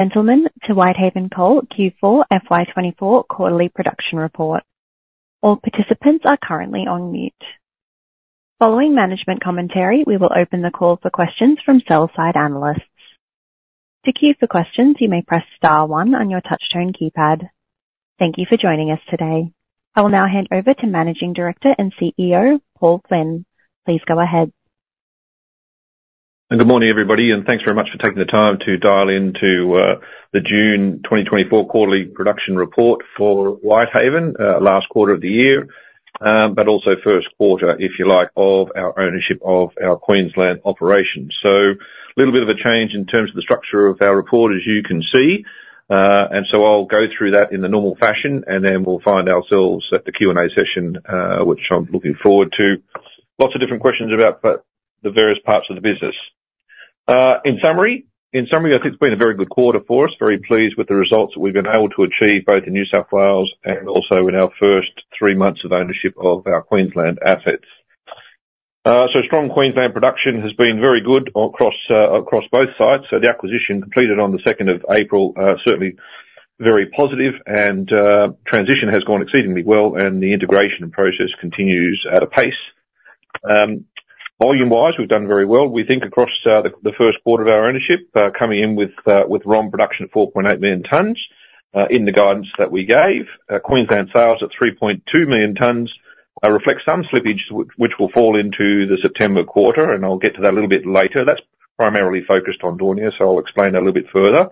Gentlemen, to Whitehaven Coal Q4 FY24 quarterly production report. All participants are currently on mute. Following management commentary, we will open the call for questions from sell-side analysts. To queue for questions, you may press star one on your touchtone keypad. Thank you for joining us today. I will now hand over to Managing Director and CEO, Paul Flynn. Please go ahead. Good morning, everybody, and thanks very much for taking the time to dial into the June 2024 quarterly production report for Whitehaven, last quarter of the year, but also first quarter, if you like, of our ownership of our Queensland operations. Little bit of a change in terms of the structure of our report, as you can see. So I'll go through that in the normal fashion, and then we'll find ourselves at the Q&A session, which I'm looking forward to. Lots of different questions about the various parts of the business. In summary, in summary, I think it's been a very good quarter for us. Very pleased with the results that we've been able to achieve, both in New South Wales and also in our first three months of ownership of our Queensland assets. So strong Queensland production has been very good across both sites. The acquisition completed on the second of April, certainly very positive, and the transition has gone exceedingly well and the integration process continues at a pace. Volume-wise, we've done very well. We think across the first quarter of our ownership, coming in with ROM production of 4.8 million tons in the guidance that we gave. Queensland sales at 3.2 million tons reflects some slippage which will fall into the September quarter, and I'll get to that a little bit later. That's primarily focused on Daunia, so I'll explain that a little bit further.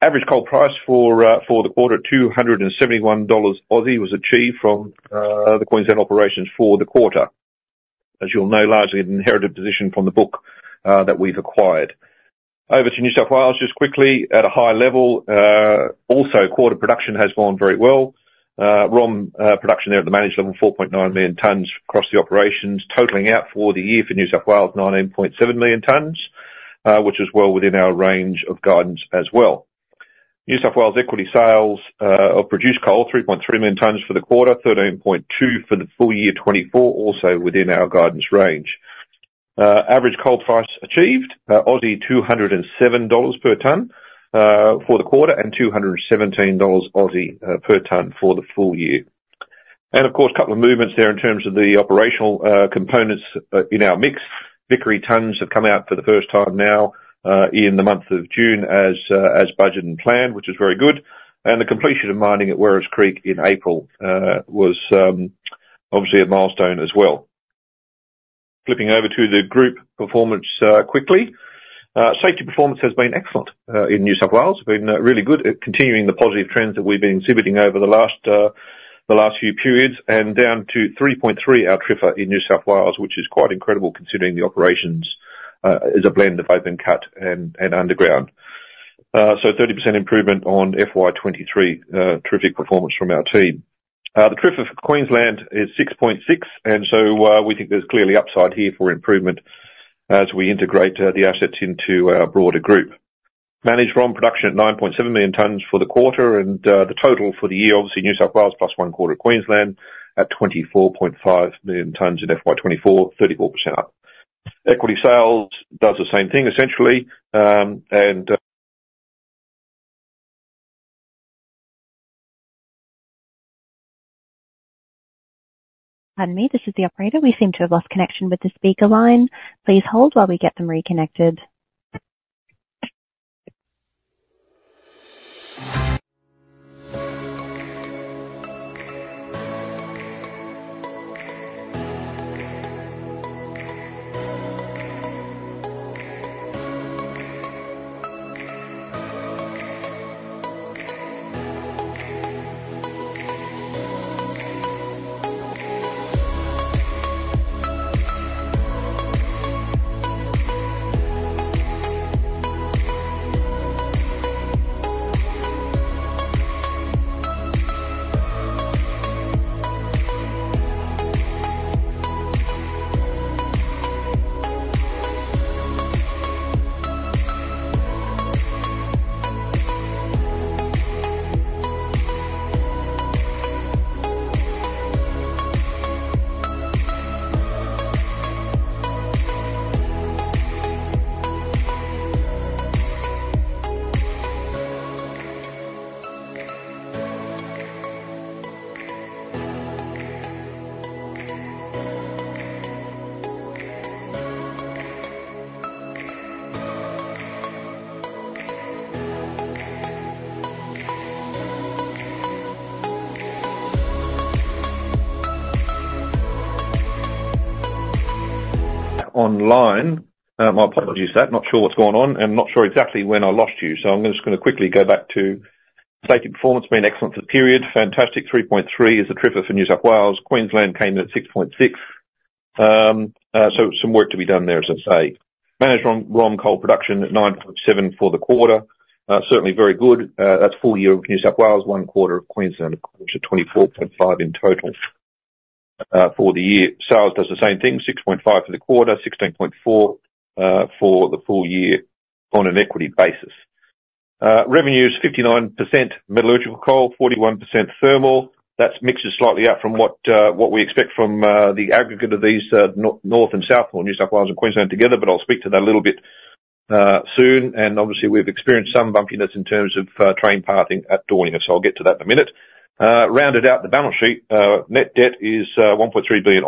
Average coal price for the quarter, 271 Aussie dollars, was achieved from the Queensland operations for the quarter. As you'll know, largely an inherited position from the book that we've acquired. Over to New South Wales, just quickly, at a high level, also, quarter production has gone very well. ROM production there at the managed level, 4.9 million tons across the operations, totaling out for the year for New South Wales, 19.7 million tons, which is well within our range of guidance as well. New South Wales equity sales of produced coal, 3.3 million tons for the quarter, 13.2 for the full year 2024, also within our guidance range. Average coal price achieved, 207 Aussie dollars per ton for the quarter, and 217 Aussie dollars per ton for the full year. Of course, a couple of movements there in terms of the operational components in our mix. Vickery tons have come out for the first time now in the month of June as budgeted and planned, which is very good. The completion of mining at Werris Creek in April was obviously a milestone as well. Flipping over to the group performance quickly. Safety performance has been excellent in New South Wales. Been really good at continuing the positive trends that we've been exhibiting over the last few periods, and down to 3.3, our TRIFR in New South Wales, which is quite incredible considering the operations is a blend of open cut and underground. So 30% improvement on FY 2023. Terrific performance from our team. The TRIFR for Queensland is 6.6, and so, we think there's clearly upside here for improvement as we integrate the assets into our broader group. Managed ROM production at 9.7 million tons for the quarter, and, the total for the year, obviously New South Wales plus one quarter, Queensland at 24.5 million tons in FY 2024, 34% up. Equity sales does the same thing essentially, and- Pardon me, this is the operator. We seem to have lost connection with the speaker line. Please hold while we get them reconnected. ... Online. I'll produce that. Not sure what's going on, and not sure exactly when I lost you, so I'm just gonna quickly go back to safety performance. Been excellent for the period. Fantastic. 3.3 is the TRIFR for New South Wales. Queensland came in at 6.6. So some work to be done there, as I say. Managed on ROM coal production at 9.7 for the quarter. Certainly very good. That's full year of New South Wales, one quarter of Queensland, which is 24.5 in total, for the year. Sales does the same thing, 6.5 for the quarter, 16.4, for the full year on an equity basis.... Revenue is 59% metallurgical coal, 41% thermal. That's mixes slightly out from what, what we expect from, the aggregate of these, North and South, or New South Wales and Queensland together, but I'll speak to that a little bit, soon. And obviously, we've experienced some bumpiness in terms of, train parking at Daunia, and so I'll get to that in a minute. Rounded out the balance sheet, net debt is, 1.3 billion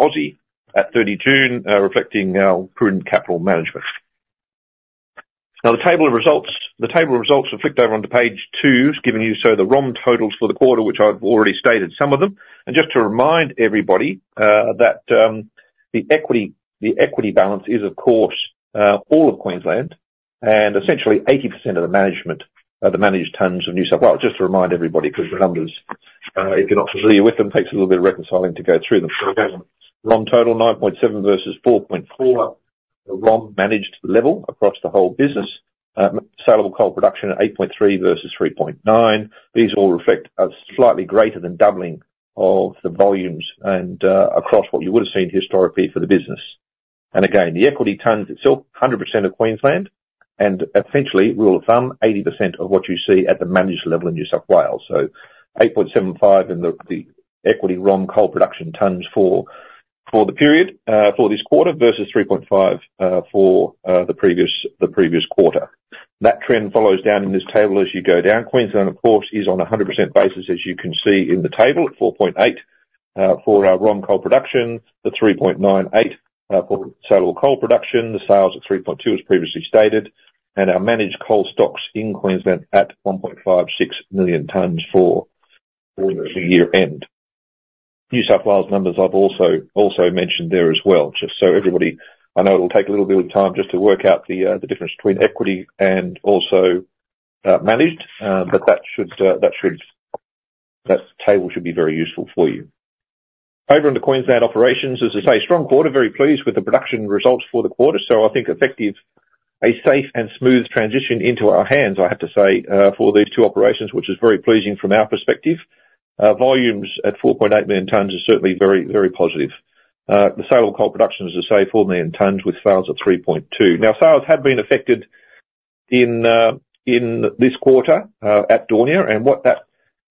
at 30 June, reflecting our prudent capital management. Now, the table of results, the table of results are flipped over onto page 2, it's giving you so the ROM totals for the quarter, which I've already stated some of them. And just to remind everybody, that, the equity, the equity balance is of course, all of Queensland, and essentially 80% of the management, the managed tons of New South Wales. Just to remind everybody, because the numbers, if you're not familiar with them, takes a little bit of reconciling to go through them. So again, ROM total 9.7 versus 4.4. The ROM managed level across the whole business, saleable coal production at 8.3 versus 3.9. These all reflect a slightly greater than doubling of the volumes and, across what you would've seen historically for the business. And again, the equity tons itself, 100% of Queensland, and essentially rule of thumb, 80% of what you see at the managed level in New South Wales. So 8.75 in the equity ROM coal production tons for the period for this quarter, versus 3.5 for the previous quarter. That trend follows down in this table as you go down. Queensland, of course, is on a 100% basis, as you can see in the table, at 4.8 for our ROM coal production, the 3.98 for saleable coal production, the sales at 3.2, as previously stated, and our managed coal stocks in Queensland at 1.56 million tons for the year end. New South Wales numbers I've also mentioned there as well, just so everybody... I know it'll take a little bit of time just to work out the difference between equity and also managed, but that should, that should, that table should be very useful for you. Over in the Queensland operations, as I say, strong quarter, very pleased with the production results for the quarter, so I think effective, a safe and smooth transition into our hands, I have to say, for these two operations, which is very pleasing from our perspective. Volumes at 4.8 million tonnes are certainly very, very positive. The saleable coal production, as I say, 4 million tonnes with sales at 3.2. Now, sales have been affected in this quarter at Daunia, and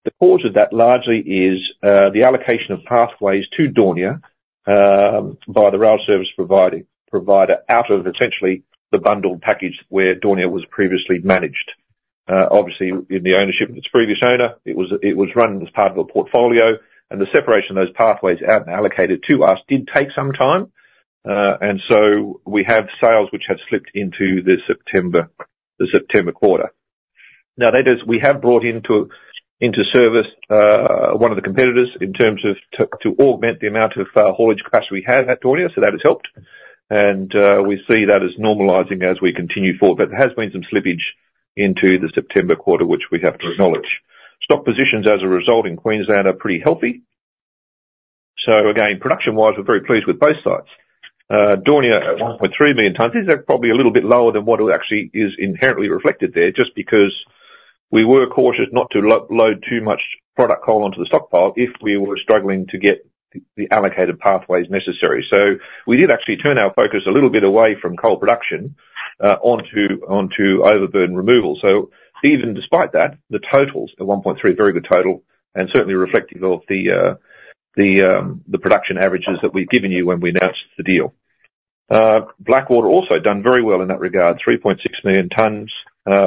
the cause of that largely is the allocation of pathways to Daunia by the rail service provider out of essentially the bundled package where Daunia was previously managed. Obviously in the ownership of its previous owner, it was run as part of a portfolio, and the separation of those pathways out and allocated to us did take some time. And so we have sales which have slipped into the September quarter. Now, that is, we have brought into service one of the competitors in terms of to augment the amount of haulage capacity we have at Daunia, so that has helped. We see that as normalizing as we continue forward, but there has been some slippage into the September quarter, which we have to acknowledge. Stock positions as a result in Queensland are pretty healthy. So again, production-wise, we're very pleased with both sites. Daunia at 1.3 million tonnes, these are probably a little bit lower than what actually is inherently reflected there, just because we were cautious not to load too much product coal onto the stockpile if we were struggling to get the allocated pathways necessary. So we did actually turn our focus a little bit away from coal production onto overburden removal. So even despite that, the totals, the 1.3, very good total, and certainly reflective of the production averages that we've given you when we announced the deal. Blackwater also done very well in that regard, 3.6 million tonnes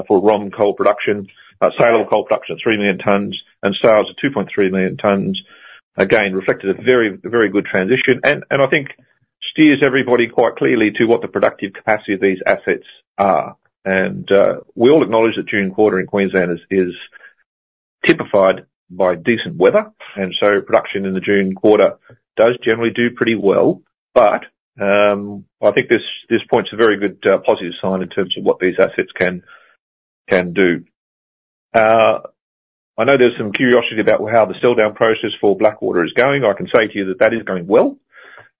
for ROM coal production, saleable coal production, 3 million tonnes, and sales of 2.3 million tonnes. Again, reflected a very, very good transition, and I think steers everybody quite clearly to what the productive capacity of these assets are. We all acknowledge that June quarter in Queensland is typified by decent weather, and so production in the June quarter does generally do pretty well. But, I think this point's a very good positive sign in terms of what these assets can do. I know there's some curiosity about how the sell-down process for Blackwater is going. I can say to you that that is going well,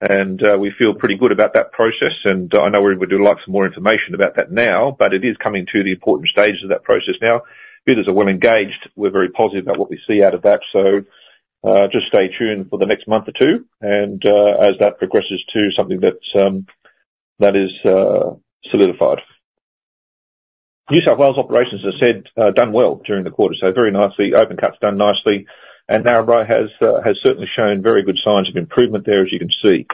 and, we feel pretty good about that process, and, I know everybody would like some more information about that now, but it is coming to the important stages of that process now. Bidders are well engaged. We're very positive about what we see out of that, so, just stay tuned for the next month or two, and, as that progresses to something that's, that is, solidified. New South Wales operations, I said, done well during the quarter, so very nicely, open cuts done nicely, and Narrabri has, has certainly shown very good signs of improvement there as you can see.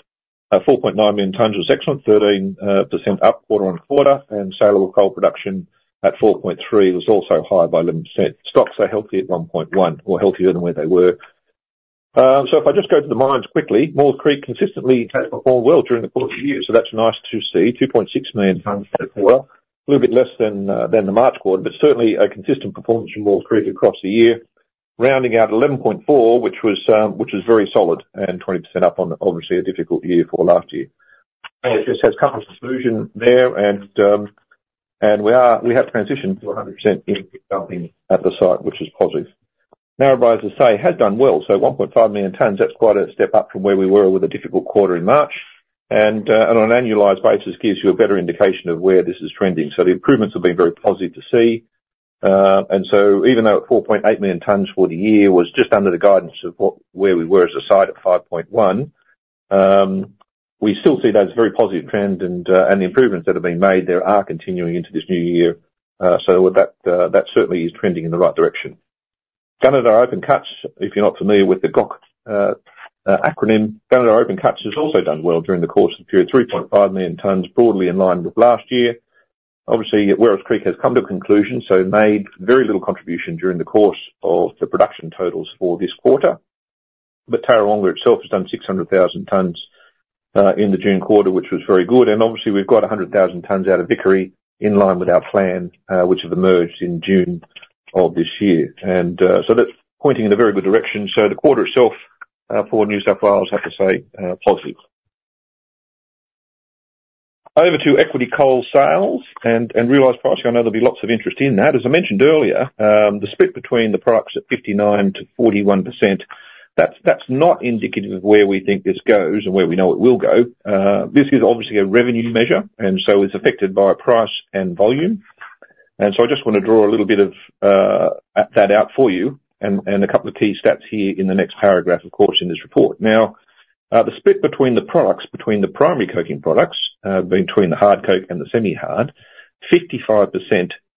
4.9 million tonnes was excellent, 13% up quarter-on-quarter, and saleable coal production at 4.3 was also high by 11%. Stocks are healthy at 1.1, or healthier than where they were. So if I just go to the mines quickly, Maules Creek consistently has performed well during the course of the year, so that's nice to see. 2.6 million tonnes for the year. A little bit less than the March quarter, but certainly a consistent performance from Maules Creek across the year. Rounding out 11.4, which was very solid, and 20% up on obviously a difficult year for last year. And it just has come to conclusion there, and we have transitioned to 100% in developing at the site, which is positive. Narrabri, as I say, has done well, so 1.5 million tonnes, that's quite a step up from where we were with a difficult quarter in March, and, on an annualized basis, gives you a better indication of where this is trending. So the improvements have been very positive to see. And so even though at 4.8 million tonnes for the year was just under the guidance of where we were as a site at 5.1, we still see those very positive trends and, and the improvements that have been made there are continuing into this new year. So that, that certainly is trending in the right direction. Gunnedah Open Cuts, if you're not familiar with the GOC acronym, Gunnedah Open Cuts has also done well during the course of the period, 3.5 million tons, broadly in line with last year. Obviously, Werris Creek has come to a conclusion, so made very little contribution during the course of the production totals for this quarter. But Tarrawonga itself has done 600,000 tons in the June quarter, which was very good. And obviously, we've got 100,000 tons out of Vickery, in line with our plan, which have emerged in June of this year. And so that's pointing in a very good direction. So the quarter itself for New South Wales, I have to say, positive. Over to export coal sales and realized price, I know there'll be lots of interest in that. As I mentioned earlier, the split between the products at 59%-41%, that's, that's not indicative of where we think this goes and where we know it will go. This is obviously a revenue measure, and so is affected by price and volume. So I just want to draw a little bit of that out for you, and a couple of key stats here in the next paragraph, of course, in this report. Now, the split between the products, between the primary coking products, between the hard coke and the semi-hard, 55%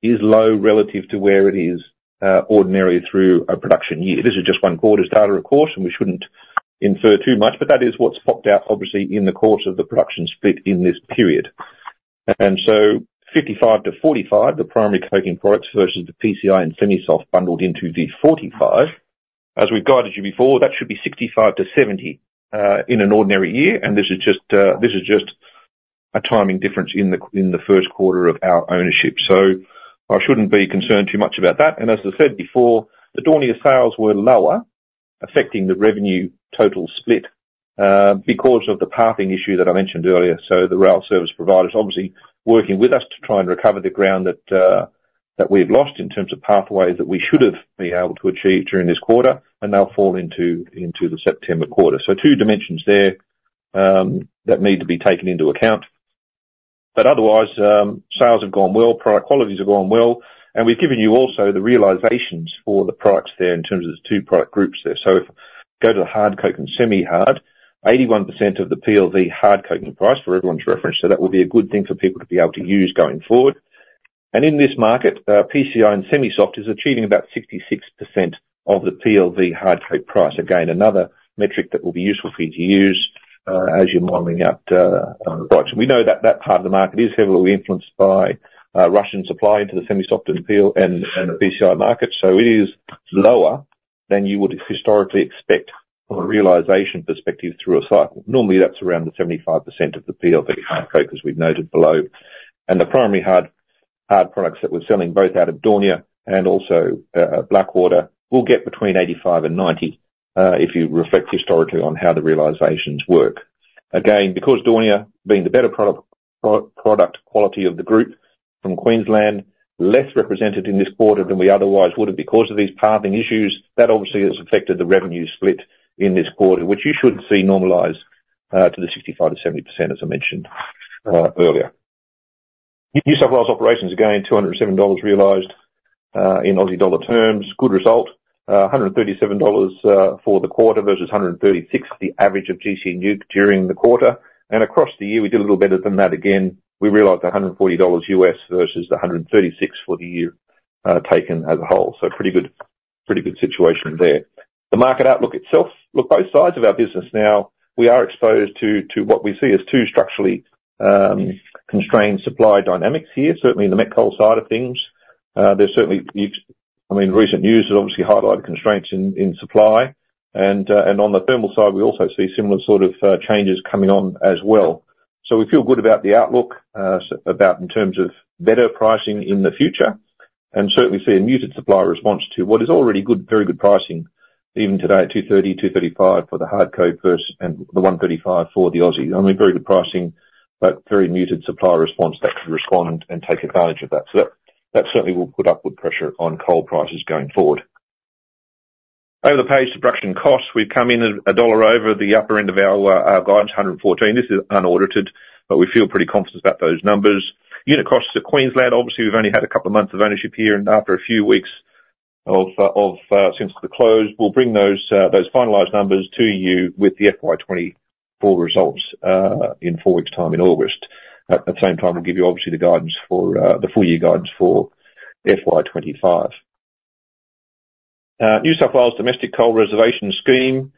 is low relative to where it is, ordinarily through a production year. This is just one quarter's data, of course, and we shouldn't infer too much, but that is what's popped out, obviously, in the course of the production split in this period. So 55-45, the primary coking products versus the PCI and semi-soft bundled into the 45. As we've guided you before, that should be 65-70 in an ordinary year, and this is just a timing difference in the first quarter of our ownership. So I shouldn't be concerned too much about that, and as I said before, the Daunia sales were lower, affecting the revenue total split because of the pathing issue that I mentioned earlier. So the rail service provider is obviously working with us to try and recover the ground that we've lost in terms of pathways that we should have been able to achieve during this quarter, and they'll fall into the September quarter. So two dimensions there that need to be taken into account. But otherwise, sales have gone well, product qualities have gone well, and we've given you also the realizations for the products there in terms of the two product groups there. So if we go to the hard coking and semi-hard, 81% of the PLV hard coking price for everyone's reference, so that will be a good thing for people to be able to use going forward. And in this market, PCI and semi-soft is achieving about 66% of the PLV hard coking price. Again, another metric that will be useful for you to use as you're modeling out on the price. We know that that part of the market is heavily influenced by Russian supply into the semi-soft and PCI market, so it is lower than you would historically expect from a realization perspective through a cycle. Normally, that's around the 75% of the PLV hard coke, as we've noted below. The primary hard, hard products that we're selling, both out of Daunia and also, Blackwater, will get between 85% and 90%, if you reflect historically on how the realizations work. Again, because Daunia, being the better product, pro-product quality of the group from Queensland, less represented in this quarter than we otherwise would have, because of these pathing issues, that obviously has affected the revenue split in this quarter, which you should see normalize to the 65%-70%, as I mentioned, earlier. New South Wales operations, again, 207 dollars realized in Aussie dollar terms. Good result. 137 dollars for the quarter versus 136, the average of gC NEWC during the quarter. Across the year, we did a little better than that again. We realized $140 versus the $136 for the year, taken as a whole. So pretty good, pretty good situation there. The market outlook itself, look, both sides of our business now, we are exposed to what we see as two structurally constrained supply dynamics here, certainly in the met coal side of things. There's certainly I mean, recent news has obviously highlighted constraints in supply, and on the thermal side, we also see similar sort of changes coming on as well. So we feel good about the outlook, about in terms of better pricing in the future, and certainly see a muted supplier response to what is already good, very good pricing, even today, at $230, $235 for the hard coke versus... and the $135 for the Aussie. I mean, very good pricing, but very muted supplier response that can respond and take advantage of that. So that, that certainly will put upward pressure on coal prices going forward. Over the page, production costs. We've come in at AUD 1 over the upper end of our, our guidance, 114. This is unaudited, but we feel pretty confident about those numbers. Unit costs at Queensland, obviously, we've only had a couple of months of ownership here, and after a few weeks of since the close, we'll bring those finalized numbers to you with the FY 2024 results in 4 weeks' time in August. At the same time, we'll give you obviously the guidance for the full year guidance for FY 2025. New South Wales Domestic Coal Reservation Scheme,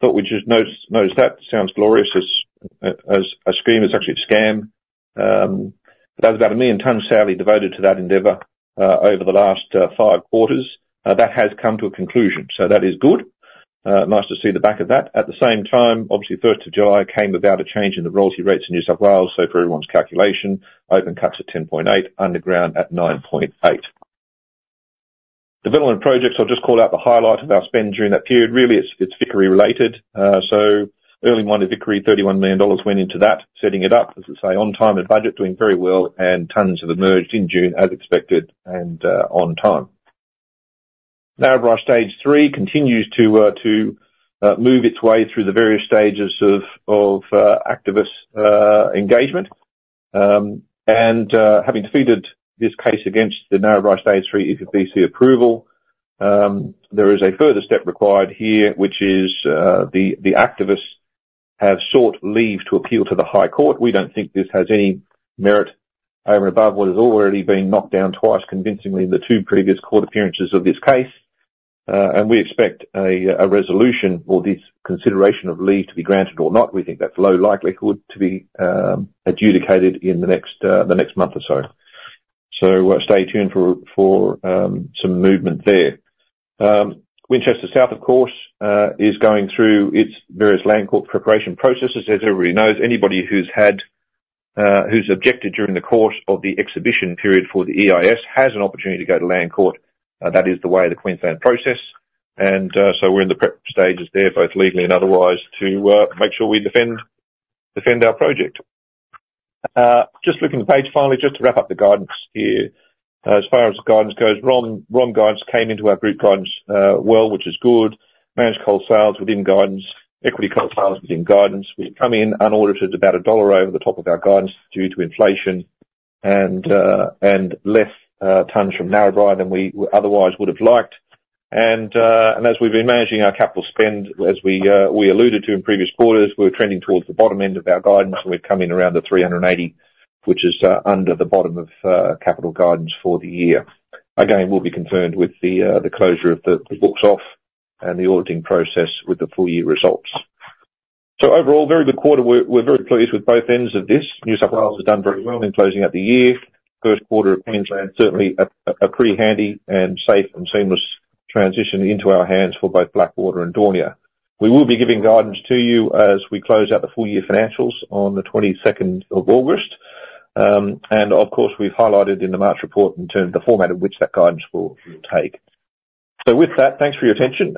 thought we'd just notice that. Sounds glorious as a scheme, it's actually a scam. But that was about 1 million tons annually devoted to that endeavor over the last 5 quarters. That has come to a conclusion, so that is good. Nice to see the back of that. At the same time, obviously, the first of July came about a change in the royalty rates in New South Wales. So for everyone's calculation, open cuts at 10.8, underground at 9.8. Development projects, I'll just call out the highlight of our spend during that period. Really, it's Vickery related. So early mine at Vickery, AUD 31 million went into that, setting it up, as I say, on time and budget, doing very well, and tons have emerged in June as expected and on time. Narrabri Stage Three continues to move its way through the various stages of activist engagement. And having defeated this case against the Narrabri Stage Three EPBC approval, there is a further step required here, which is the activists have sought leave to appeal to the High Court. We don't think this has any merit over and above what has already been knocked down twice convincingly in the two previous court appearances of this case. We expect a resolution or this consideration of leave to be granted or not. We think that's low likelihood to be adjudicated in the next month or so. Stay tuned for some movement there. Winchester South, of course, is going through its various Land Court preparation processes. As everybody knows, anybody who's objected during the course of the exhibition period for the EIS has an opportunity to go to Land Court, and that is the way of the Queensland process. So we're in the prep stages there, both legally and otherwise, to make sure we defend our project. Just looking at the page, finally, just to wrap up the guidance here. As far as the guidance goes, raw guidance came into our group guidance, well, which is good. Managed coal sales within guidance, equity coal sales within guidance. We've come in unaudited, about AUD 1 over the top of our guidance due to inflation and less tons from Narrabri than we otherwise would have liked. As we've been managing our capital spend, as we alluded to in previous quarters, we're trending towards the bottom end of our guidance. We've come in around 380, which is under the bottom of capital guidance for the year. Again, we'll be confirmed with the closure of the books off, and the auditing process with the full year results. So overall, very good quarter. We're very pleased with both ends of this. New South Wales has done very well in closing out the year. First quarter of Queensland, certainly a pretty handy and safe and seamless transition into our hands for both Blackwater and Daunia. We will be giving guidance to you as we close out the full year financials on the 22nd of August. And of course, we've highlighted in the March report in terms of the format in which that guidance will take. So with that, thanks for your attention.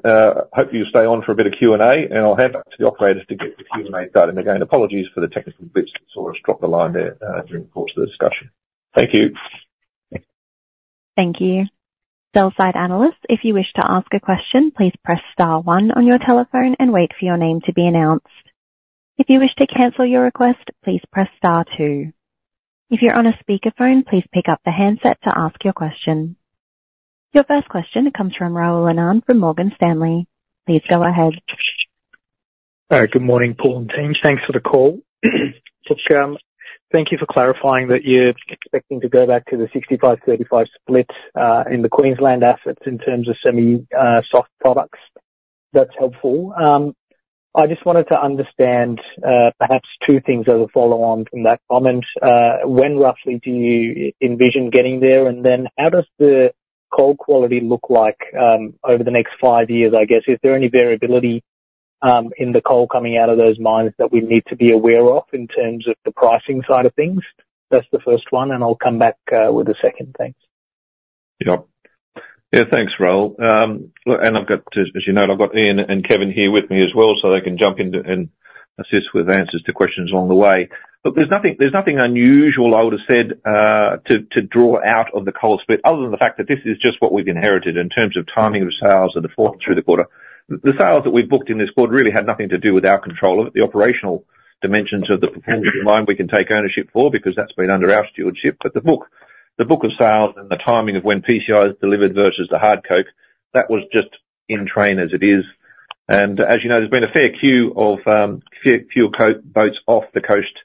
Hope you'll stay on for a bit of Q&A, and I'll hand back to the operators to get the Q&A started. Again, apologies for the technical glitch that sort of dropped the line there during the course of the discussion. Thank you. Thank you. Sell-side analysts, if you wish to ask a question, please press star one on your telephone and wait for your name to be announced. If you wish to cancel your request, please press star two. If you're on a speakerphone, please pick up the handset to ask your question. Your first question comes from Rahul Anand from Morgan Stanley. Please go ahead. Good morning, Paul and team. Thanks for the call. Thank you for clarifying that you're expecting to go back to the 65-35 split in the Queensland assets in terms of semi-soft products. That's helpful. I just wanted to understand perhaps two things as a follow on from that comment. When roughly do you envision getting there? And then how does the coal quality look like over the next five years, I guess? Is there any variability in the coal coming out of those mines that we need to be aware of in terms of the pricing side of things? That's the first one, and I'll come back with the second. Thanks. Yep. Yeah, thanks, Rahul. Look, and I've got, as you know, I've got Ian and Kevin here with me as well, so they can jump in and assist with answers to questions along the way. But there's nothing, there's nothing unusual, I would have said, to draw out of the coal split, other than the fact that this is just what we've inherited in terms of timing of sales and the fourth through the quarter. The sales that we've booked in this quarter really had nothing to do with our control of it. The operational dimensions of the performance of the mine, we can take ownership for, because that's been under our stewardship. But the book, the book of sales and the timing of when PCI is delivered versus the hard coke, that was just in train as it is. As you know, there's been a fair queue of few, few coke boats off the coast,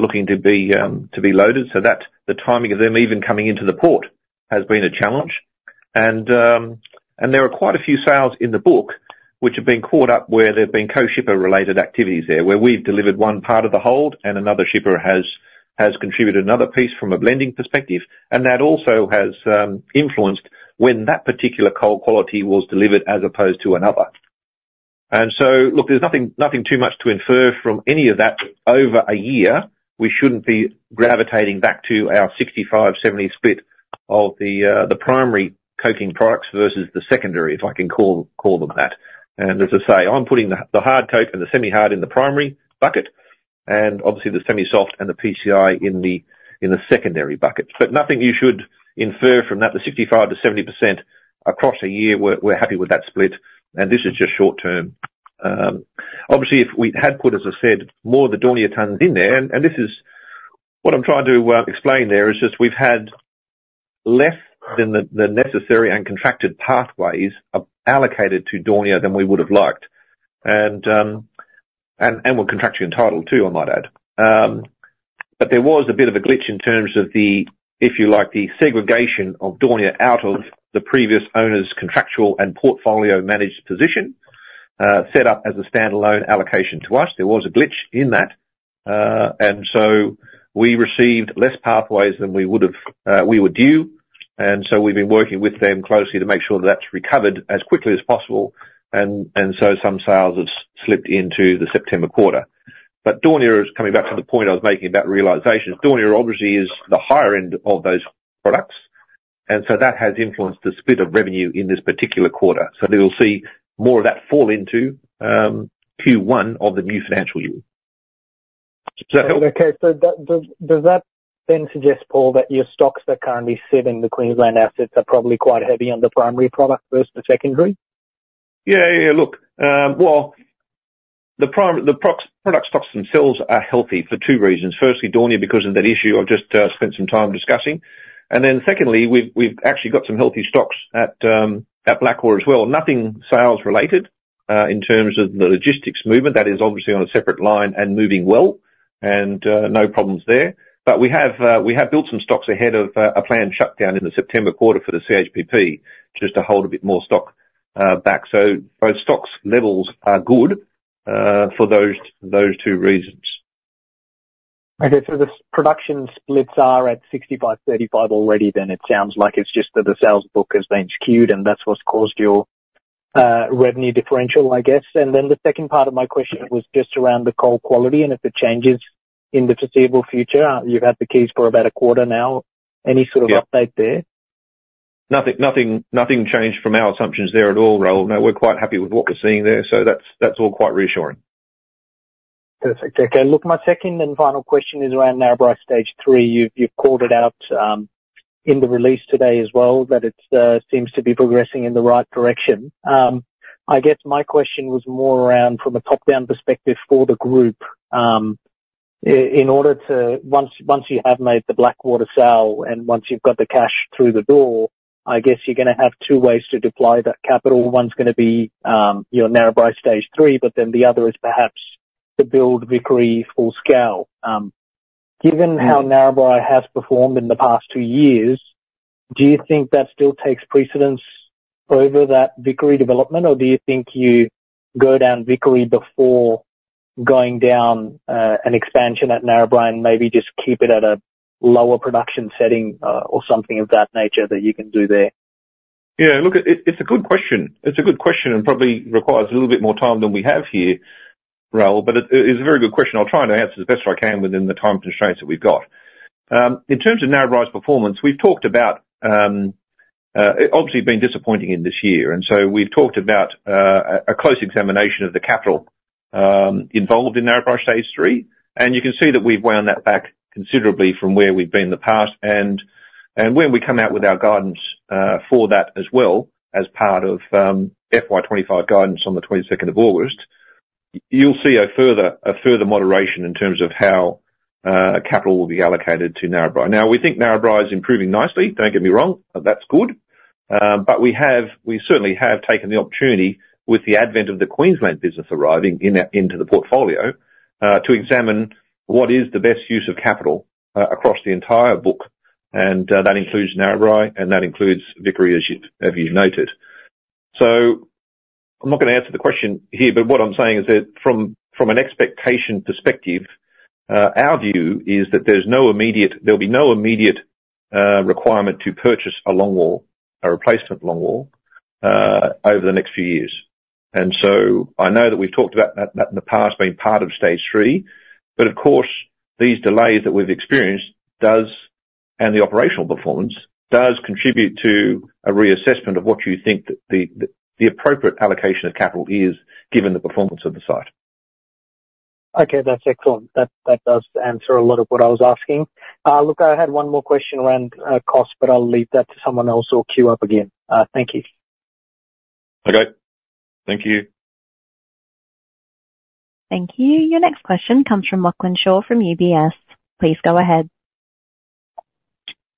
looking to be to be loaded, so that the timing of them even coming into the port has been a challenge. And there are quite a few sales in the book which have been caught up where there have been co-shipper related activities there, where we've delivered one part of the hold and another shipper has contributed another piece from a blending perspective. And that also has influenced when that particular coal quality was delivered as opposed to another. And so, look, there's nothing, nothing too much to infer from any of that over a year. We shouldn't be gravitating back to our 65-70 split of the primary coking products versus the secondary, if I can call them that. As I say, I'm putting the hard coke and the semi hard in the primary bucket, and obviously the semi soft and the PCI in the secondary bucket. But nothing you should infer from that, the 65%-70% across a year, we're happy with that split, and this is just short term. Obviously, if we had put, as I said, more of the Daunia tons in there, and this is... What I'm trying to explain there, is just we've had less than the necessary and contracted pathways all-allocated to Daunia than we would've liked. And we're contractually entitled to, I might add. But there was a bit of a glitch in terms of the, if you like, the segregation of Daunia out of the previous owner's contractual and portfolio managed position, set up as a standalone allocation to us. There was a glitch in that, and so we received less pathways than we would've, we were due, and so we've been working with them closely to make sure that's recovered as quickly as possible, and so some sales have slipped into the September quarter. But Daunia is coming back to the point I was making about realization. Daunia obviously is the higher end of those products, and so that has influenced the split of revenue in this particular quarter. So we will see more of that fall into Q1 of the new financial year. Does that help? Okay. So does that then suggest, Paul, that your stocks that currently sit in the Queensland assets are probably quite heavy on the primary product versus the secondary?... Yeah, yeah, look, well, the product stocks themselves are healthy for two reasons. Firstly, Daunia, because of that issue I've just spent some time discussing, and then secondly, we've actually got some healthy stocks at Blackwater as well. Nothing sales related in terms of the logistics movement. That is obviously on a separate line and moving well, and no problems there. But we have built some stocks ahead of a planned shutdown in the September quarter for the CHPP, just to hold a bit more stock back. So both stocks levels are good for those two reasons. Okay, so the production splits are at 65/35 already then it sounds like. It's just that the sales book has been skewed, and that's what's caused your revenue differential, I guess. And then the second part of my question was just around the coal quality and if it changes in the foreseeable future. You've had the keys for about a quarter now. Yeah. Any sort of update there? Nothing, nothing, nothing changed from our assumptions there at all, Rahul. No, we're quite happy with what we're seeing there, so that's, that's all quite reassuring. Perfect. Okay, look, my second and final question is around Narrabri Stage Three. You've called it out in the release today as well, that it seems to be progressing in the right direction. I guess my question was more around from a top-down perspective for the group. In order to... Once you have made the Blackwater sale, and once you've got the cash through the door, I guess you're gonna have two ways to deploy that capital. One's gonna be your Narrabri Stage Three, but then the other is perhaps to build Vickery full scale. Given how Narrabri has performed in the past two years, do you think that still takes precedence over that Vickery development, or do you think you go down Vickery before going down, an expansion at Narrabri, and maybe just keep it at a lower production setting, or something of that nature that you can do there? Yeah, look, it's a good question. It's a good question, and probably requires a little bit more time than we have here, Rahul, but it's a very good question. I'll try and answer the best I can within the time constraints that we've got. In terms of Narrabri's performance, we've talked about. It obviously been disappointing in this year, and so we've talked about a close examination of the capital involved in Narrabri Stage Three, and you can see that we've wound that back considerably from where we've been in the past. And when we come out with our guidance for that as well, as part of FY 2025 guidance on the 22nd of August, you'll see a further moderation in terms of how capital will be allocated to Narrabri. Now, we think Narrabri is improving nicely. Don't get me wrong, that's good. But we certainly have taken the opportunity, with the advent of the Queensland business arriving into the portfolio, to examine what is the best use of capital, across the entire book, and that includes Narrabri, and that includes Vickery, as you noted. So I'm not gonna answer the question here, but what I'm saying is that from an expectation perspective, our view is that there's no immediate—there'll be no immediate requirement to purchase a longwall, a replacement longwall, over the next few years. I know that we've talked about that, that in the past, being part of Stage Three, but of course, these delays that we've experienced does, and the operational performance, does contribute to a reassessment of what you think the appropriate allocation of capital is, given the performance of the site. Okay, that's excellent. That, that does answer a lot of what I was asking. Look, I had one more question around cost, but I'll leave that to someone else or queue up again. Thank you. Okay. Thank you. Thank you. Your next question comes from Lachlan Shaw, from UBS. Please go ahead.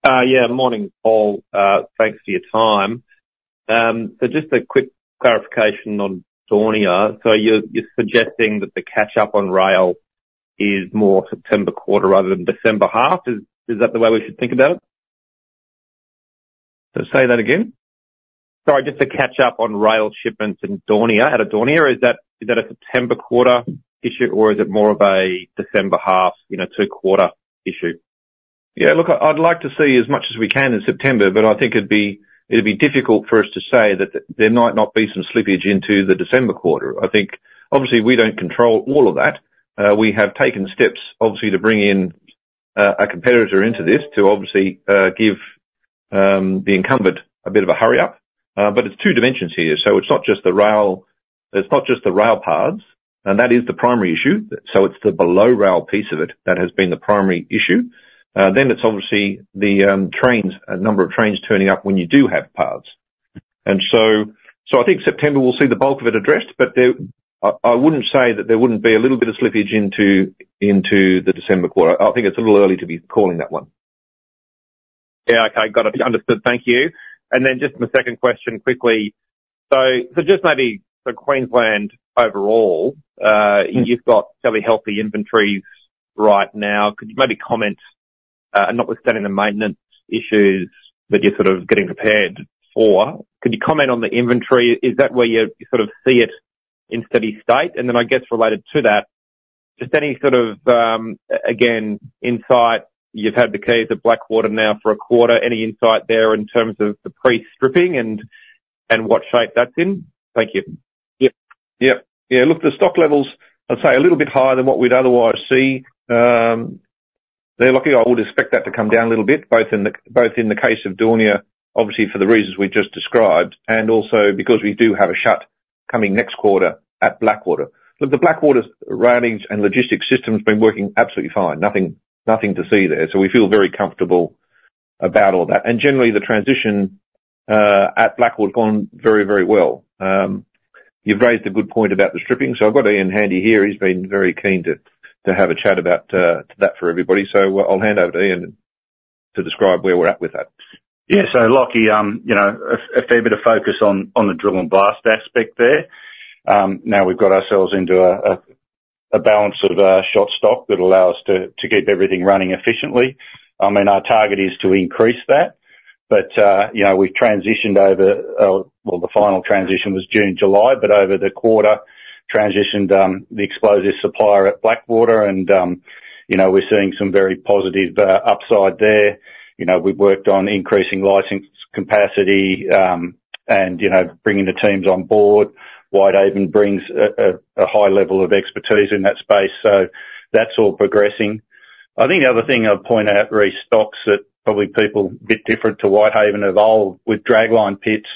Yeah, morning, Paul. Thanks for your time. So just a quick clarification on Daunia. So you're suggesting that the catch-up on rail is more September quarter rather than December half? Is that the way we should think about it? Say that again? Sorry, just the catch-up on rail shipments in Daunia, out of Daunia. Is that, is that a September quarter issue, or is it more of a December half, you know, two quarter issue? Yeah, look, I'd like to see as much as we can in September, but I think it'd be difficult for us to say that there might not be some slippage into the December quarter. I think obviously we don't control all of that. We have taken steps, obviously, to bring in a competitor into this, to obviously give the incumbent a bit of a hurry-up. But it's two dimensions here, so it's not just the rail. It's not just the rail parts, and that is the primary issue. So it's the below rail piece of it that has been the primary issue. Then it's obviously the trains, number of trains turning up when you do have parts. So, I think September we'll see the bulk of it addressed, but there—I, I wouldn't say that there wouldn't be a little bit of slippage into the December quarter. I think it's a little early to be calling that one. Yeah, okay. Got it. Understood. Thank you. And then just my second question quickly: So just maybe, Queensland overall, you've got fairly healthy inventories right now. Could you maybe comment, notwithstanding the maintenance issues that you're sort of getting prepared for, could you comment on the inventory? Is that where you sort of see it in steady state? And then I guess related to that, just any sort of, again, insight, you've had the keys of Blackwater now for a quarter, any insight there in terms of the pre-stripping and what shape that's in? Thank you. Yep. Yep. Yeah, look, the stock levels, I'd say a little bit higher than what we'd otherwise see. They're lucky. I would expect that to come down a little bit, both in the case of Daunia, obviously for the reasons we just described, and also because we do have a shut coming next quarter at Blackwater. Look, the Blackwater's routings and logistics system has been working absolutely fine. Nothing, nothing to see there, so we feel very comfortable about all that, and generally the transition at Blackwater has gone very, very well. You've raised a good point about the stripping, so I've got Ian handy here. He's been very keen to have a chat about that for everybody. So I'll hand over to Ian to describe where we're at with that. Yeah, so Lachlan, you know, a fair bit of focus on the drill and blast aspect there. Now we've got ourselves into a balance of shot stock that allow us to keep everything running efficiently. I mean, our target is to increase that, but you know, we've transitioned over, well, the final transition was June, July, but over the quarter, transitioned the explosives supplier at Blackwater, and you know, we're seeing some very positive upside there. You know, we've worked on increasing lighting capacity, and you know, bringing the teams on board. Whitehaven brings a high level of expertise in that space, so that's all progressing. I think the other thing I'd point out these stocks that probably are a bit different to Whitehaven, are older, with dragline pits,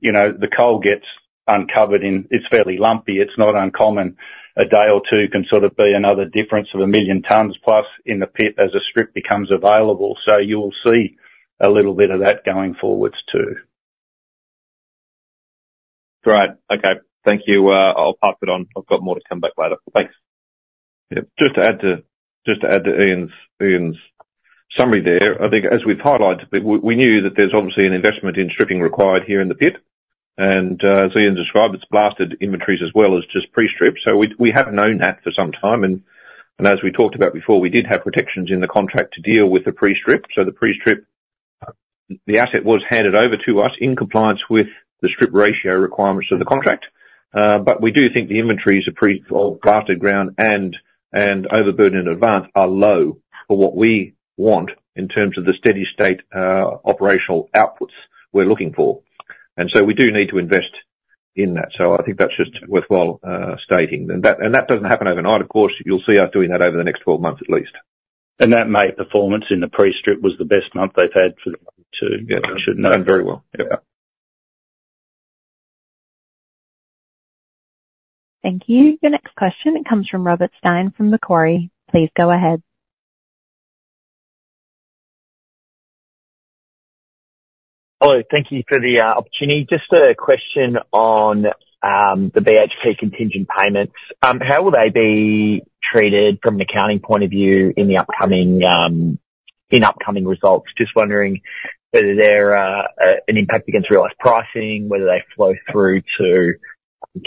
you know, the coal gets uncovered and it's fairly lumpy. It's not uncommon, a day or two can sort of be another difference of 1 million tons, plus in the pit as the strip becomes available. So you'll see a little bit of that going forwards, too. Great. Okay. Thank you. I'll pass it on. I've got more to come back later. Thanks. Yep. Just to add to Ian's summary there, I think as we've highlighted, we knew that there's obviously an investment in stripping required here in the pit, and as Ian described, it's blasted inventories as well as just pre-strip. So we have known that for some time, and as we talked about before, we did have protections in the contract to deal with the pre-strip. So the pre-strip, the asset was handed over to us in compliance with the strip ratio requirements of the contract. But we do think the inventories are pre- or blasted ground, and overburden in advance, are low for what we want in terms of the steady state operational outputs we're looking for. And so we do need to invest in that. So I think that's just worthwhile stating. That doesn't happen overnight, of course. You'll see us doing that over the next 12 months at least. That May performance in the pre-strip was the best month they've had for the two- Yeah. Done very well. Yep. Thank you. The next question comes from Robert Stein from Macquarie. Please go ahead. Hello. Thank you for the opportunity. Just a question on the BHP contingent payments. How will they be treated from an accounting point of view in the upcoming results? Just wondering whether they're an impact against realized pricing, whether they flow through to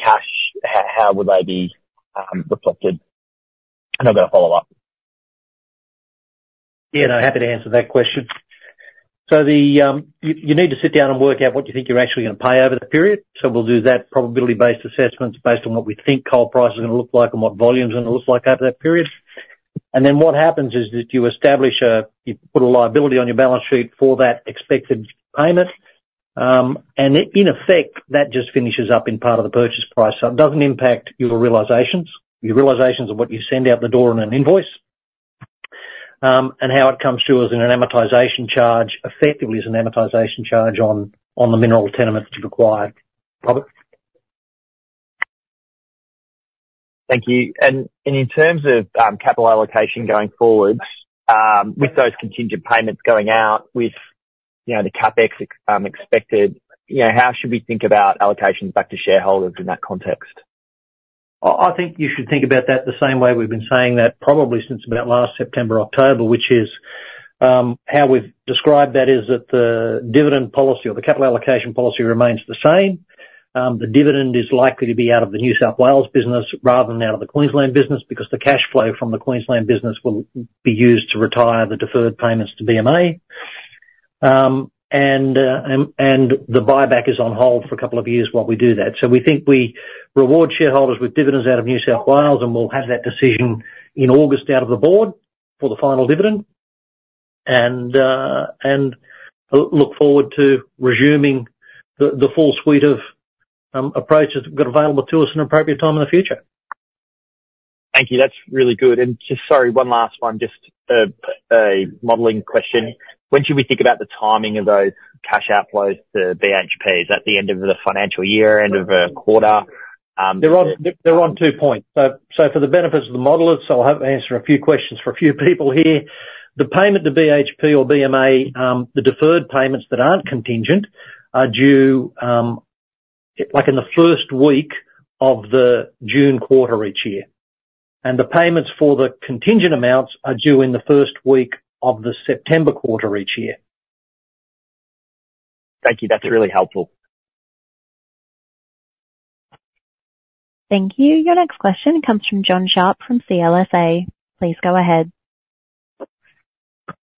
cash, how would they be reflected? And I've got a follow-up. Yeah, no, happy to answer that question. So the you need to sit down and work out what you think you're actually gonna pay over the period. So we'll do that probability-based assessments, based on what we think coal price is gonna look like, and what volume is gonna look like over that period. And then what happens is that you establish you put a liability on your balance sheet for that expected payment. And it, in effect, that just finishes up in part of the purchase price. So it doesn't impact your realizations, your realizations of what you send out the door on an invoice. And how it comes through as an amortization charge, effectively as an amortization charge on the mineral tenements that you've acquired. Robert? Thank you. And in terms of capital allocation going forward, with those contingent payments going out, with, you know, the CapEx expected, you know, how should we think about allocations back to shareholders in that context? I think you should think about that the same way we've been saying that probably since about last September, October, which is how we've described that is that the dividend policy or the capital allocation policy remains the same. The dividend is likely to be out of the New South Wales business rather than out of the Queensland business, because the cash flow from the Queensland business will be used to retire the deferred payments to BMA. And the buyback is on hold for a couple of years while we do that. So we think we reward shareholders with dividends out of New South Wales, and we'll have that decision in August out of the board, for the final dividend. Look forward to resuming the full suite of approaches that are available to us at an appropriate time in the future. Thank you. That's really good. And just, sorry, one last one, just, a modeling question. When should we think about the timing of those cash outflows to BHP? Is that the end of the financial year, end of the quarter? They're on two points. So for the benefits of the modelers, I'll have to answer a few questions for a few people here. The payment to BHP or BMA, the deferred payments that aren't contingent, are due, like, in the first week of the June quarter each year. And the payments for the contingent amounts are due in the first week of the September quarter each year. Thank you. That's really helpful. Thank you. Your next question comes from John Sharp from CLSA. Please go ahead.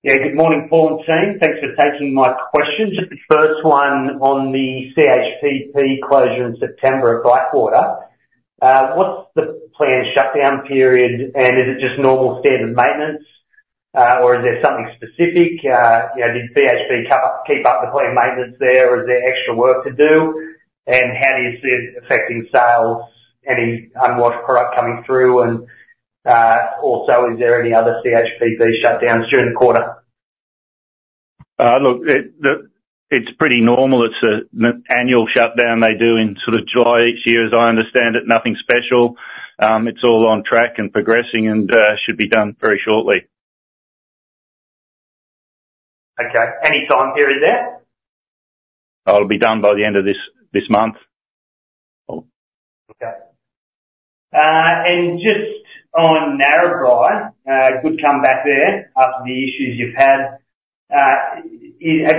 Yeah, good morning, Paul and team. Thanks for taking my questions. The first one on the CHPP closure in September at Blackwater. What's the planned shutdown period, and is it just normal standard maintenance, or is there something specific? You know, did BHP keep up the planned maintenance there, or is there extra work to do? And how do you see it affecting sales, any unwashed product coming through? And, also, is there any other CHPP shutdowns during the quarter? Look, it's pretty normal. It's an annual shutdown they do in sort of July each year, as I understand it, nothing special. It's all on track and progressing, and should be done very shortly. Okay. Any time period there? It'll be done by the end of this month. Okay. And just on Narrabri, good comeback there after the issues you've had. Have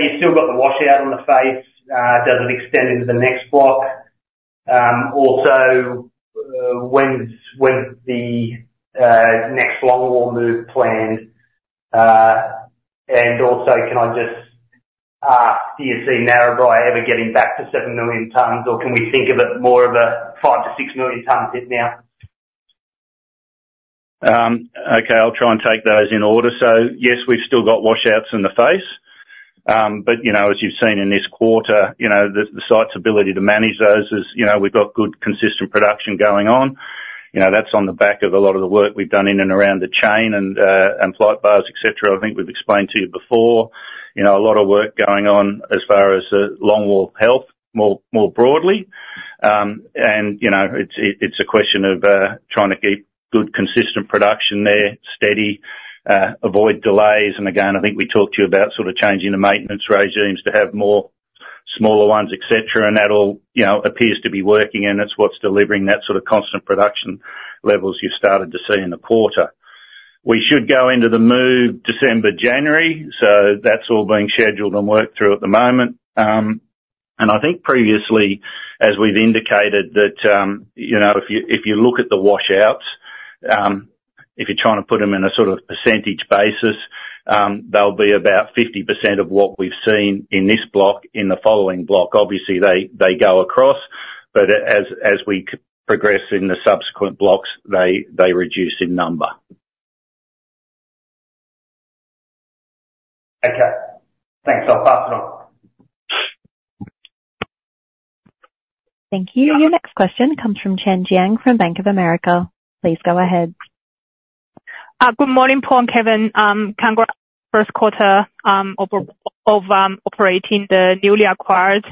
you still got the washout on the face? Does it extend into the next block? Also, when's the next longwall move planned? And also, can I just ask, do you see Narrabri ever getting back to 7 million tons, or can we think of it more of a 5- to 6-million-ton pit now? Okay, I'll try and take those in order. So yes, we've still got washouts in the face, but, you know, as you've seen in this quarter, you know, the site's ability to manage those is, you know, we've got good, consistent production going on. You know, that's on the back of a lot of the work we've done in and around the chain and flight bars, et cetera. I think we've explained to you before, you know, a lot of work going on as far as longwall health, more broadly. You know, it's a question of trying to keep good, consistent production there, steady, avoid delays, and again, I think we talked to you about sort of changing the maintenance regimes to have more smaller ones, et cetera, and that all, you know, appears to be working, and it's what's delivering that sort of constant production levels you started to see in the quarter. We should go into the move December, January, so that's all being scheduled and worked through at the moment. I think previously, as we've indicated, that, you know, if you look at the washouts, if you're trying to put them in a sort of percentage basis, they'll be about 50% of what we've seen in this block, in the following block. Obviously, they go across, but as we progress in the subsequent blocks, they reduce in number. Okay. Thanks a lot. Thank you. Your next question comes from Chen Jiang from Bank of America. Please go ahead. Good morning, Paul and Kevin. Congrats, first quarter of operating the newly acquired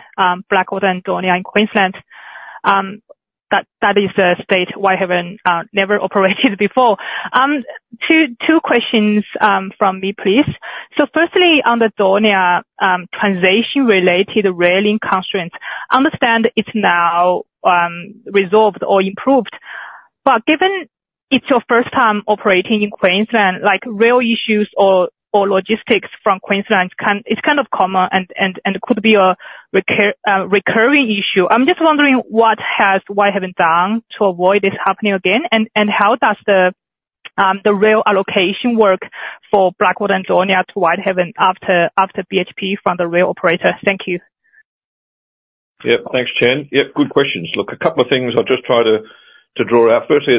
Blackwater and Daunia in Queensland. That is a state Whitehaven never operated before. Two questions from me, please. So firstly, on the Daunia, transition related rail constraints, understand it's now resolved or improved, but given it's your first time operating in Queensland, like, rail issues or logistics from Queensland is kind of common and could be a recurring issue. I'm just wondering, what has Whitehaven done to avoid this happening again? And how does the rail allocation work for Blackwater and Daunia to Whitehaven after BHP from the rail operator? Thank you. Yep. Thanks, Chen. Yep, good questions. Look, a couple of things I'll just try to draw out. Firstly,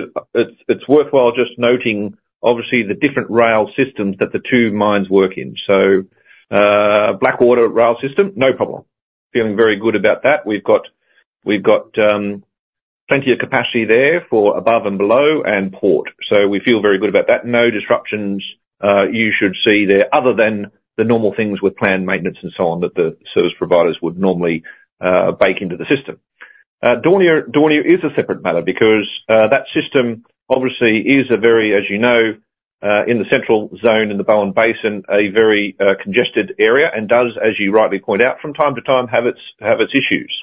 it's worthwhile just noting, obviously, the different rail systems that the two mines work in. So, Blackwater rail system, no problem. Feeling very good about that. We've got plenty of capacity there for above and below and port, so we feel very good about that. No disruptions, you should see there, other than the normal things with planned maintenance and so on, that the service providers would normally bake into the system. Daunia is a separate matter because that system obviously is a very, as you know, in the central zone, in the Bowen Basin, a very congested area, and does, as you rightly point out, from time to time, have its issues.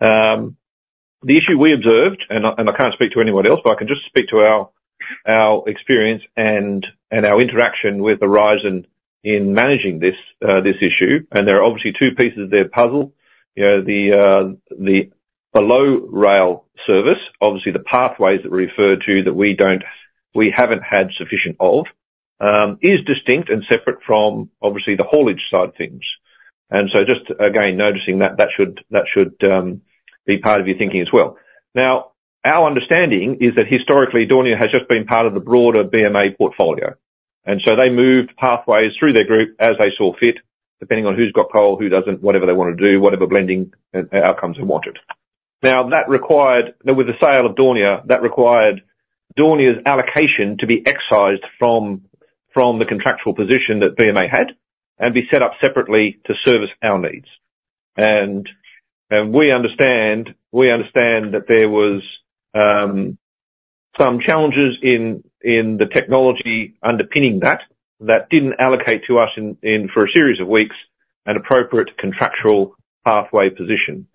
The issue we observed, and I, and I can't speak to anyone else, but I can just speak to our, our experience and, and our interaction with Aurizon in managing this this issue, and there are obviously two pieces of their puzzle. You know, the the below rail service, obviously the pathways that were referred to that we don't-- we haven't had sufficient of, is distinct and separate from, obviously, the haulage side of things. And so just again, noticing that, that should, that should, be part of your thinking as well. Now, our understanding is that historically, Daunia has just been part of the broader BMA portfolio, and so they moved pathways through their group as they saw fit, depending on who's got coal, who doesn't, whatever they want to do, whatever blending and, and outcomes they wanted. Now, that required... With the sale of Daunia, that required Daunia's allocation to be excised from the contractual position that BMA had, and be set up separately to service our needs. And we understand that there was some challenges in the technology underpinning that that didn't allocate to us in for a series of weeks an appropriate contractual pathway position.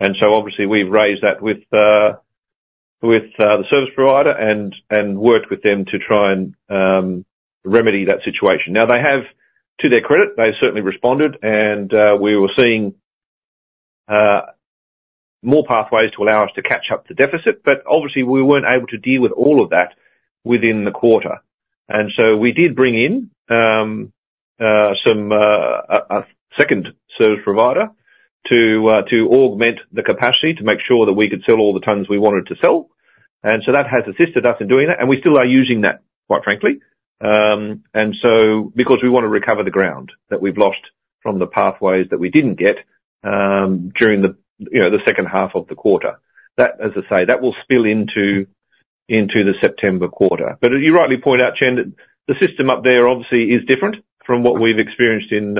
And so obviously we've raised that with the service provider and worked with them to try and remedy that situation. Now, they have, to their credit, they've certainly responded, and we were seeing more pathways to allow us to catch up the deficit, but obviously we weren't able to deal with all of that within the quarter. We did bring in a second service provider to augment the capacity to make sure that we could sell all the tons we wanted to sell, and so that has assisted us in doing that, and we still are using that, quite frankly. Because we want to recover the ground that we've lost from the pathways that we didn't get during you know the second half of the quarter. That, as I say, that will spill into the September quarter. But as you rightly point out, Chen, the system up there obviously is different from what we've experienced in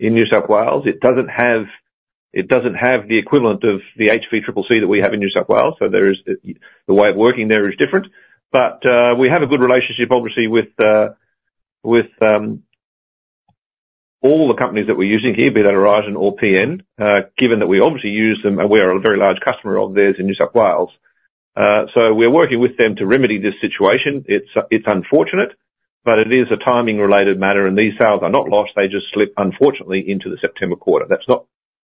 New South Wales. It doesn't have, it doesn't have the equivalent of the HVCCC that we have in New South Wales, so there is the way of working there is different. But, we have a good relationship, obviously, with, with, all the companies that we're using here, be that Aurizon or PN. Given that we obviously use them, and we are a very large customer of theirs in New South Wales. So we're working with them to remedy this situation. It's unfortunate, but it is a timing-related matter, and these sales are not lost, they just slip, unfortunately, into the September quarter.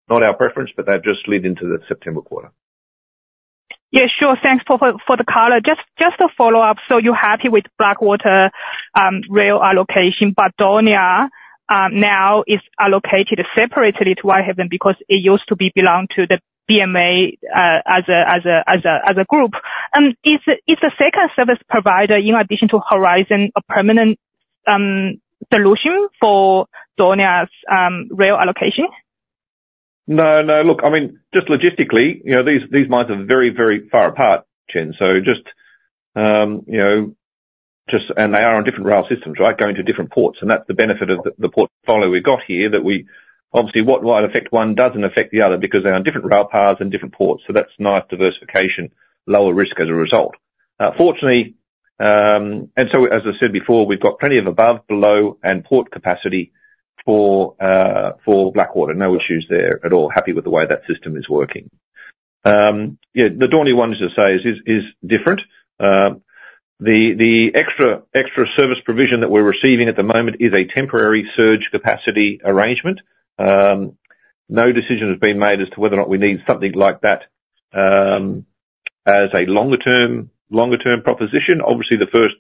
That's not our preference, but they've just slid into the September quarter. Yeah, sure. Thanks, Paul, for the color. Just a follow-up: so you're happy with Blackwater rail allocation, but Daunia now is allocated separately to Whitehaven, because it used to be belonged to the BMA as a group. Is the second service provider, in addition to Aurizon, a permanent solution for Daunia's rail allocation? No, no. Look, I mean, just logistically, you know, these, these mines are very, very far apart, Chen. So just, you know, just... And they are on different rail systems, right? Going to different ports, and that's the benefit of the, the portfolio we've got here, that we- obviously, what will affect one, doesn't affect the other, because they're on different rail paths and different ports, so that's nice diversification, lower risk as a result. Fortunately, and so as I said before, we've got plenty of above, below, and port capacity for, for Blackwater. No issues there at all. Happy with the way that system is working. Yeah, the Daunia one, as I say, is, is, is different. The, the extra, extra service provision that we're receiving at the moment is a temporary surge capacity arrangement. No decision has been made as to whether or not we need something like that, as a longer-term, longer-term proposition. Obviously, the first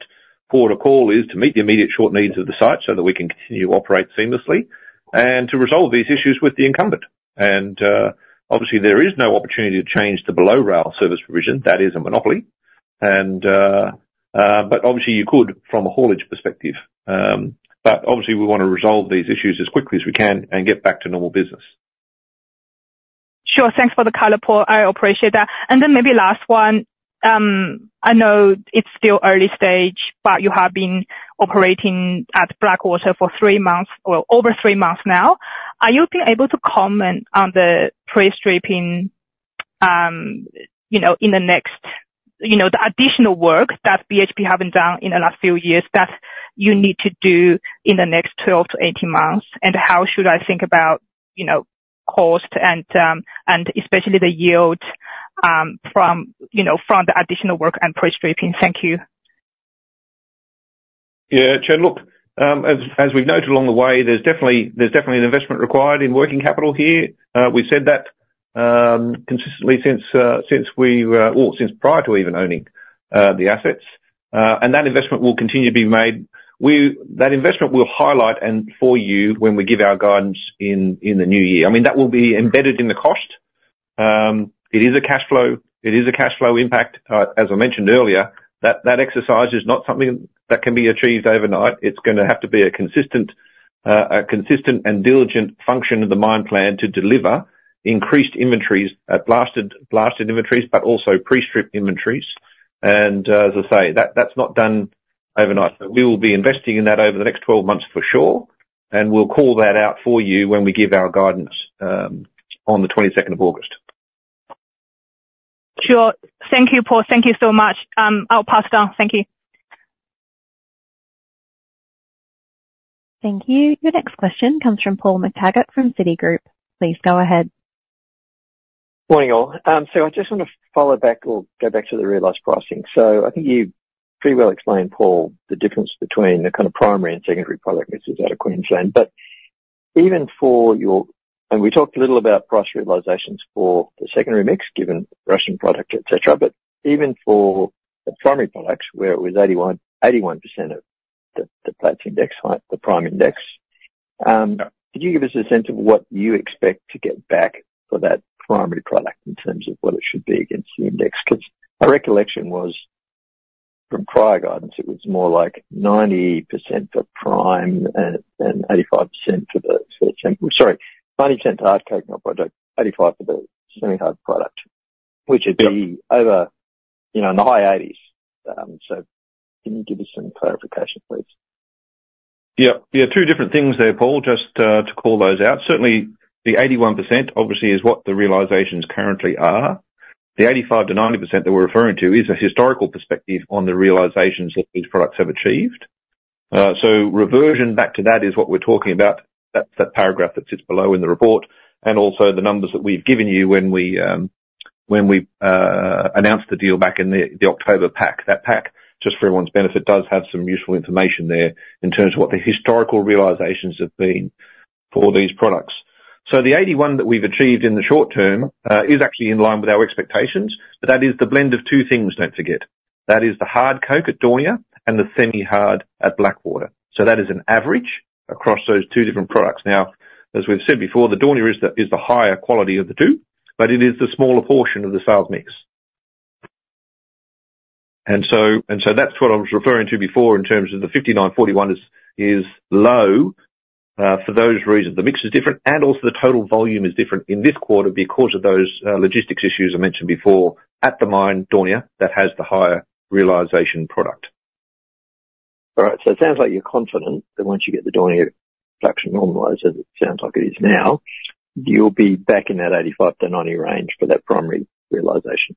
port of call is to meet the immediate short needs of the site so that we can continue to operate seamlessly, and to resolve these issues with the incumbent. Obviously there is no opportunity to change the below-rail service provision. That is a monopoly. But obviously you could from a haulage perspective. But obviously we want to resolve these issues as quickly as we can and get back to normal business. Sure. Thanks for the color, Paul. I appreciate that. And then maybe last one. I know it's still early stage, but you have been operating at Blackwater for 3 months, or over 3 months now. Are you able to comment on the pre-stripping, you know, in the next... You know, the additional work that BHP haven't done in the last few years, that you need to do in the next 12-18 months, and how should I think about, you know, cost and, and especially the yield, from, you know, from the additional work and pre-stripping? Thank you. Yeah, Chen, look, as we've noted along the way, there's definitely an investment required in working capital here. We've said that consistently since prior to even owning the assets. And that investment will continue to be made. That investment we'll highlight for you when we give our guidance in the new year. I mean, that will be embedded in the cost. It is a cash flow impact. As I mentioned earlier, that exercise is not something that can be achieved overnight. It's gonna have to be a consistent and diligent function of the mine plan to deliver increased inventories, blasted inventories, but also pre-strip inventories. And as I say, that's not done overnight. But we will be investing in that over the next 12 months for sure, and we'll call that out for you when we give our guidance on the 22nd of August. Sure. Thank you, Paul. Thank you so much. I'll pass down. Thank you. Thank you. Your next question comes from Paul McTaggart from Citigroup. Please go ahead. Morning, all. So I just want to follow back or go back to the realized pricing. So I think you pretty well explained, Paul, the difference between the kind of primary and secondary product mixes out of Queensland. But even for your-- and we talked a little about price realizations for the secondary mix, given Russian product, et cetera, but even for the primary products, where it was 81, 81% of the Platts index, the prime index, could you give us a sense of what you expect to get back for that primary product in terms of what it should be against the index? 'Cause my recollection was, from prior guidance, it was more like 90% for prime and 85% for the semi-hard product. Sorry, 90% hard coking product, 85% for the semi-hard product- Yeah. -which would be over, you know, in the high 80s. So can you give me some clarification, please? Yeah. Yeah, two different things there, Paul, just to call those out. Certainly, the 81% obviously is what the realizations currently are. The 85%-90% that we're referring to is a historical perspective on the realizations that these products have achieved. So reversion back to that is what we're talking about. That's that paragraph that sits below in the report, and also the numbers that we've given you when we announced the deal back in the October pack. That pack, just for everyone's benefit, does have some useful information there in terms of what the historical realizations have been for these products. So the 81 that we've achieved in the short term is actually in line with our expectations, but that is the blend of two things, don't forget. That is the hard coking coal at Daunia and the semi-hard coking coal at Blackwater. So that is an average across those two different products. Now, as we've said before, the Daunia is the, is the higher quality of the two, but it is the smaller portion of the sales mix. And so, and so that's what I was referring to before, in terms of the 59, 41 is, is low for those reasons, the mix is different, and also the total volume is different in this quarter because of those logistics issues I mentioned before at the mine, Daunia, that has the higher realization product. All right, so it sounds like you're confident that once you get the Daunia production normalized, as it sounds like it is now, you'll be back in that 85-90 range for that primary realization.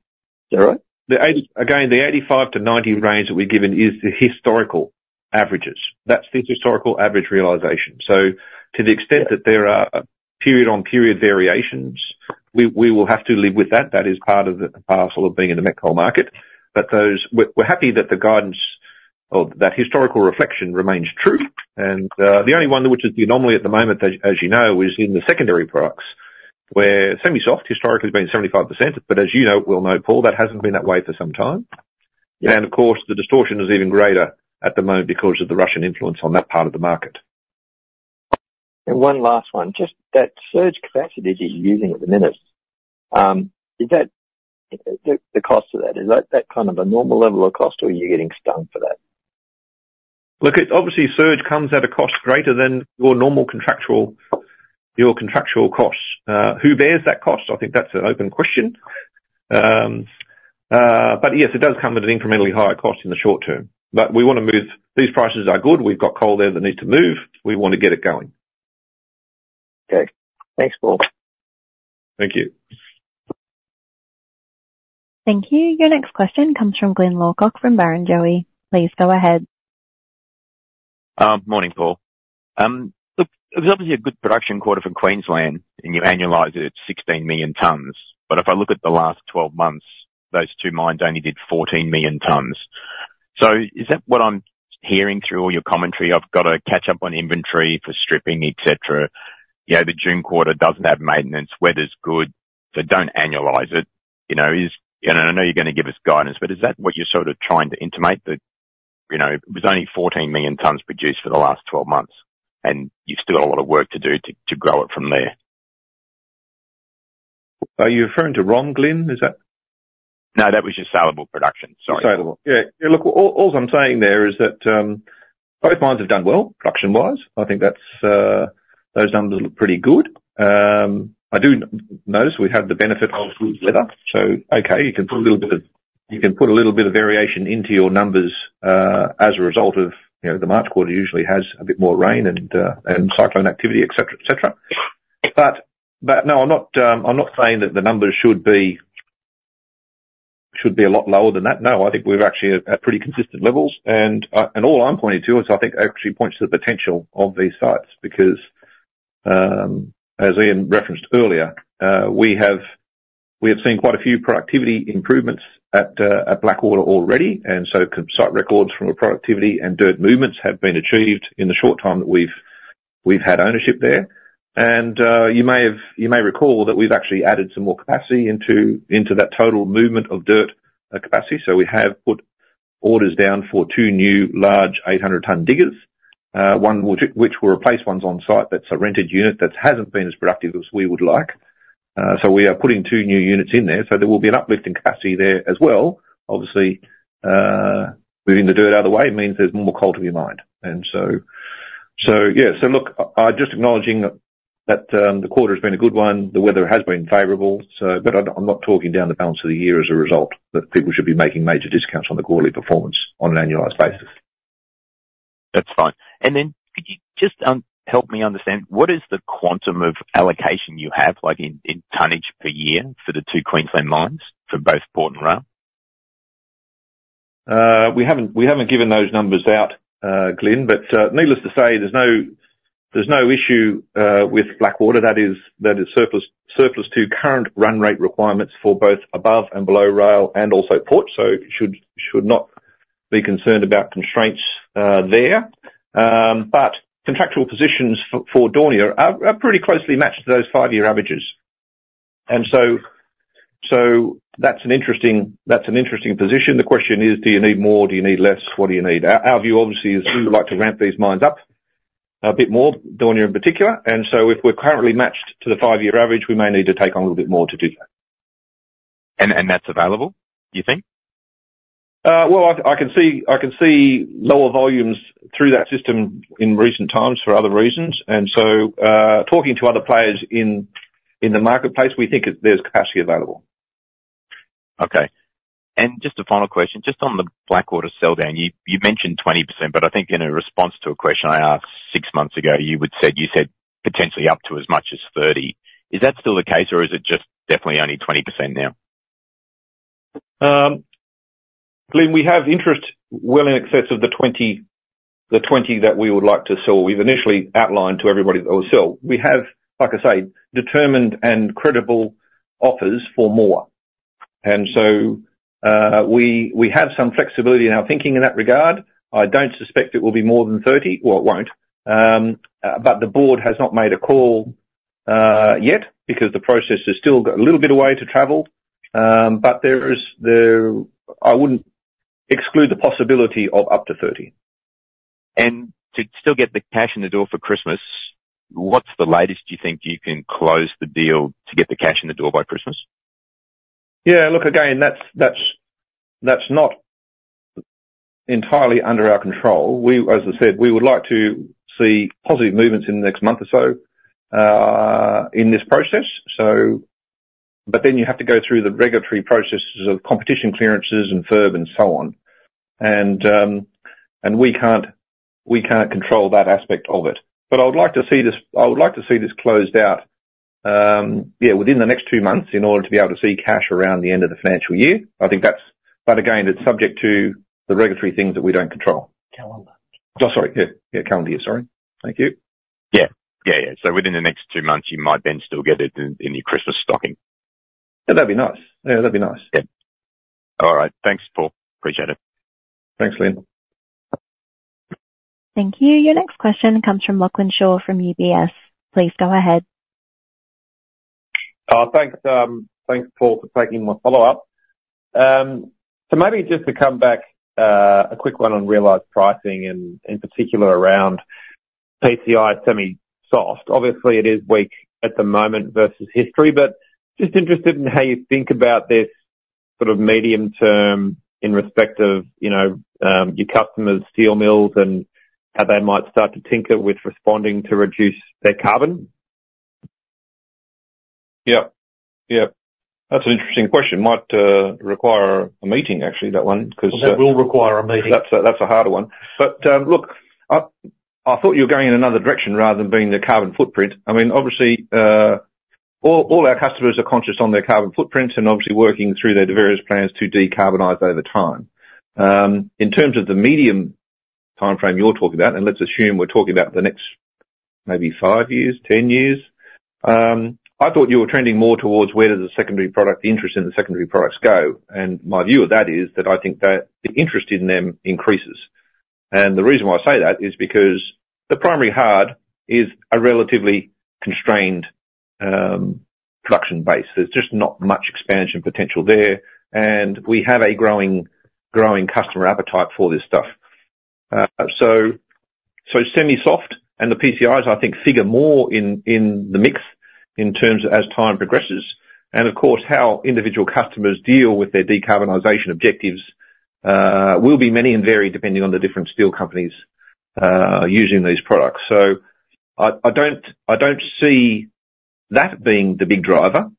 Is that right? The 85%-90% range that we've given is the historical averages. That's the historical average realization. So to the extent that there are period-on-period variations, we will have to live with that. That is part of the parcel of being in the met coal market. But those, we're happy that the guidance of that historical reflection remains true, and the only one which is the anomaly at the moment, as you know, is in the secondary products, where semi-soft historically has been 75%, but as you know, we all know, Paul, that hasn't been that way for some time. Yeah. Of course, the distortion is even greater at the moment because of the Russian influence on that part of the market. And one last one: just that surge capacity that you're using at the minute, is that the cost of that, is that that kind of a normal level of cost, or are you getting stung for that? Look, it's obviously surge comes at a cost greater than your normal contractual, your contractual costs. Who bears that cost? I think that's an open question. But yes, it does come at an incrementally higher cost in the short term. But we want to move. These prices are good. We've got coal there that needs to move. We want to get it going. Okay. Thanks, Paul. Thank you. Thank you. Your next question comes from Glyn Lawcock from Barrenjoey. Please go ahead. Morning, Paul. Look, it was obviously a good production quarter for Queensland, and you annualize it at 16 million tons. But if I look at the last 12 months, those two mines only did 14 million tons. So is that what I'm hearing through all your commentary? I've got to catch up on inventory for stripping, et cetera. You know, the June quarter doesn't have maintenance, weather's good, so don't annualize it. You know, is... and I know you're gonna give us guidance, but is that what you're sort of trying to intimate? That, you know, it was only 14 million tons produced for the last 12 months, and you've still got a lot of work to do to, to grow it from there. Are you referring to wrong, Glyn? Is that- No, that was just saleable production. Sorry. Saleable. Yeah. Look, all I'm saying there is that both mines have done well, production-wise. I think that's those numbers look pretty good. I do notice we've had the benefit of good weather, so okay, you can put a little bit of variation into your numbers as a result of you know, the March quarter usually has a bit more rain and cyclone activity, et cetera, et cetera. But no, I'm not saying that the numbers should be a lot lower than that. No, I think we're actually at pretty consistent levels, and all I'm pointing to is I think actually points to the potential of these sites, because as Ian referenced earlier, we have seen quite a few productivity improvements at Blackwater already, and so on-site records from a productivity and dirt movements have been achieved in the short time that we've had ownership there. And you may recall that we've actually added some more capacity into that total movement of dirt capacity. So we have put orders down for two new large 800-ton diggers, one which will replace ones on site. That's a rented unit that hasn't been as productive as we would like. So we are putting two new units in there, so there will be an uplift in capacity there as well. Obviously, moving the dirt out of the way means there's more coal to be mined. And so, yeah. So look, just acknowledging that, the quarter's been a good one, the weather has been favorable, so... but I'm not talking down the balance of the year as a result, that people should be making major discounts on the quarterly performance on an annualized basis. That's fine. And then could you just help me understand: what is the quantum of allocation you have, like, in tonnage per year for the two Queensland mines for both port and rail? We haven't given those numbers out, Glyn, but needless to say, there's no issue with Blackwater. That is surplus to current run rate requirements for both above and below rail and also port. So should not be concerned about constraints there. But contractual positions for Daunia are pretty closely matched to those five-year averages. And so that's an interesting position. The question is, do you need more? Do you need less? What do you need? Our view, obviously, is we'd like to ramp these mines up a bit more, Daunia in particular. And so if we're currently matched to the five-year average, we may need to take on a little bit more to do that. That's available, do you think? Well, I can see lower volumes through that system in recent times for other reasons. And so, talking to other players in the marketplace, we think there's capacity available. Okay. And just a final question, just on the Blackwater sell down. You, you mentioned 20%, but I think in a response to a question I asked six months ago, you would said, you said potentially up to as much as 30. Is that still the case, or is it just definitely only 20% now? Glyn, we have interest well in excess of the 20, the 20 that we would like to sell. We've initially outlined to everybody that we'll sell. We have, like I say, determined and credible offers for more, and so, we have some flexibility in our thinking in that regard. I don't suspect it will be more than 30, well, it won't. But the board has not made a call yet because the process has still got a little bit of way to travel. But there is. I wouldn't exclude the possibility of up to 30. To still get the cash in the door for Christmas, what's the latest do you think you can close the deal to get the cash in the door by Christmas? Yeah, look, again, that's not entirely under our control. We, as I said, we would like to see positive movements in the next month or so, in this process, so but then you have to go through the regulatory processes of competition clearances and FIRB and so on. And we can't control that aspect of it. But I would like to see this, I would like to see this closed out, yeah, within the next two months in order to be able to see cash around the end of the financial year. I think that's but again, it's subject to the regulatory things that we don't control. Calendar. Oh, sorry. Yeah. Yeah, calendar year. Sorry. Thank you. Yeah. Yeah, yeah. So within the next two months, you might then still get it in your Christmas stocking. Yeah, that'd be nice. Yeah, that'd be nice. Yeah. All right. Thanks, Paul. Appreciate it. Thanks, Glyn. Thank you. Your next question comes from Lachlan Shaw from UBS. Please go ahead. Thanks, thanks, Paul, for taking my follow-up. So maybe just to come back, a quick one on realized pricing, in, in particular around PCI semi-soft. Obviously, it is weak at the moment versus history, but just interested in how you think about this sort of medium term in respect of, you know, your customers' steel mills and how they might start to tinker with responding to reduce their carbon. Yeah. Yeah, that's an interesting question. Might require a meeting, actually, that one, 'cause- That will require a meeting. That's a harder one. But, look, I thought you were going in another direction rather than being the carbon footprint. I mean, obviously, all our customers are conscious on their carbon footprint and obviously working through their various plans to decarbonize over time. In terms of the medium timeframe you're talking about, and let's assume we're talking about the next maybe 5 years, 10 years, I thought you were trending more towards where does the secondary product, interest in the secondary products go? And my view of that is, that I think that the interest in them increases. And the reason why I say that is because the primary hard is a relatively constrained, production base. There's just not much expansion potential there, and we have a growing customer appetite for this stuff. So, semi-soft and the PCIs, I think, figure more in the mix in terms of as time progresses. And of course, how individual customers deal with their decarbonization objectives will be many and varied, depending on the different steel companies using these products. So, I don't see that being the big driver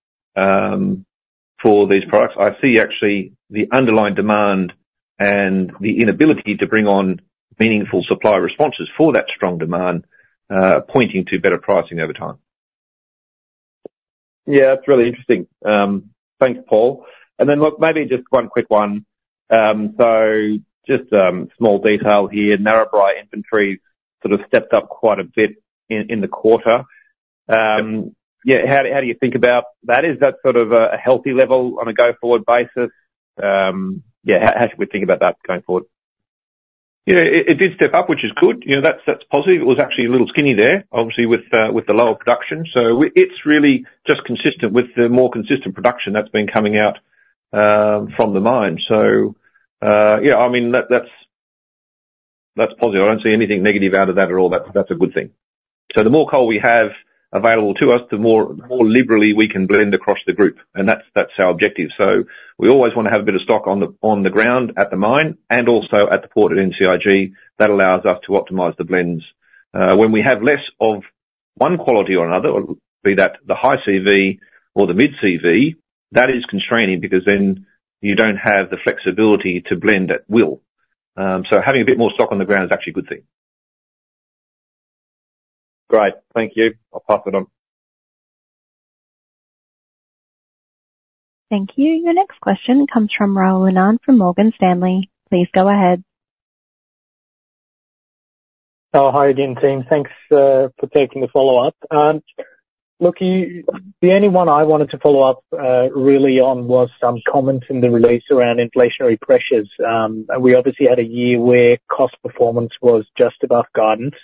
for these products. I see actually the underlying demand and the inability to bring on meaningful supply responses for that strong demand pointing to better pricing over time. Yeah, that's really interesting. Thanks, Paul. And then look, maybe just one quick one. So just, small detail here. Narrabri inventory sort of stepped up quite a bit in the quarter. Yeah, how do you think about that? Is that sort of a healthy level on a go-forward basis? Yeah, how should we think about that going forward? Yeah, it did step up, which is good. You know, that's positive. It was actually a little skinny there, obviously with the lower production. So it's really just consistent with the more consistent production that's been coming out from the mine. So, yeah, I mean, that's positive. I don't see anything negative out of that at all. That's a good thing. So the more coal we have available to us, the more liberally we can blend across the group, and that's our objective. So we always wanna have a bit of stock on the ground at the mine, and also at the port at NCIG. That allows us to optimize the blends. When we have less of one quality or another, be that the high CV or the mid CV, that is constraining, because then you don't have the flexibility to blend at will. So having a bit more stock on the ground is actually a good thing. Great. Thank you. I'll pass it on. Thank you. Your next question comes from Rahul Anand from Morgan Stanley. Please go ahead. Oh, hi again, team. Thanks for taking the follow-up. Look, you... The only one I wanted to follow up, really on, was some comments in the release around inflationary pressures. We obviously had a year where cost performance was just above guidance,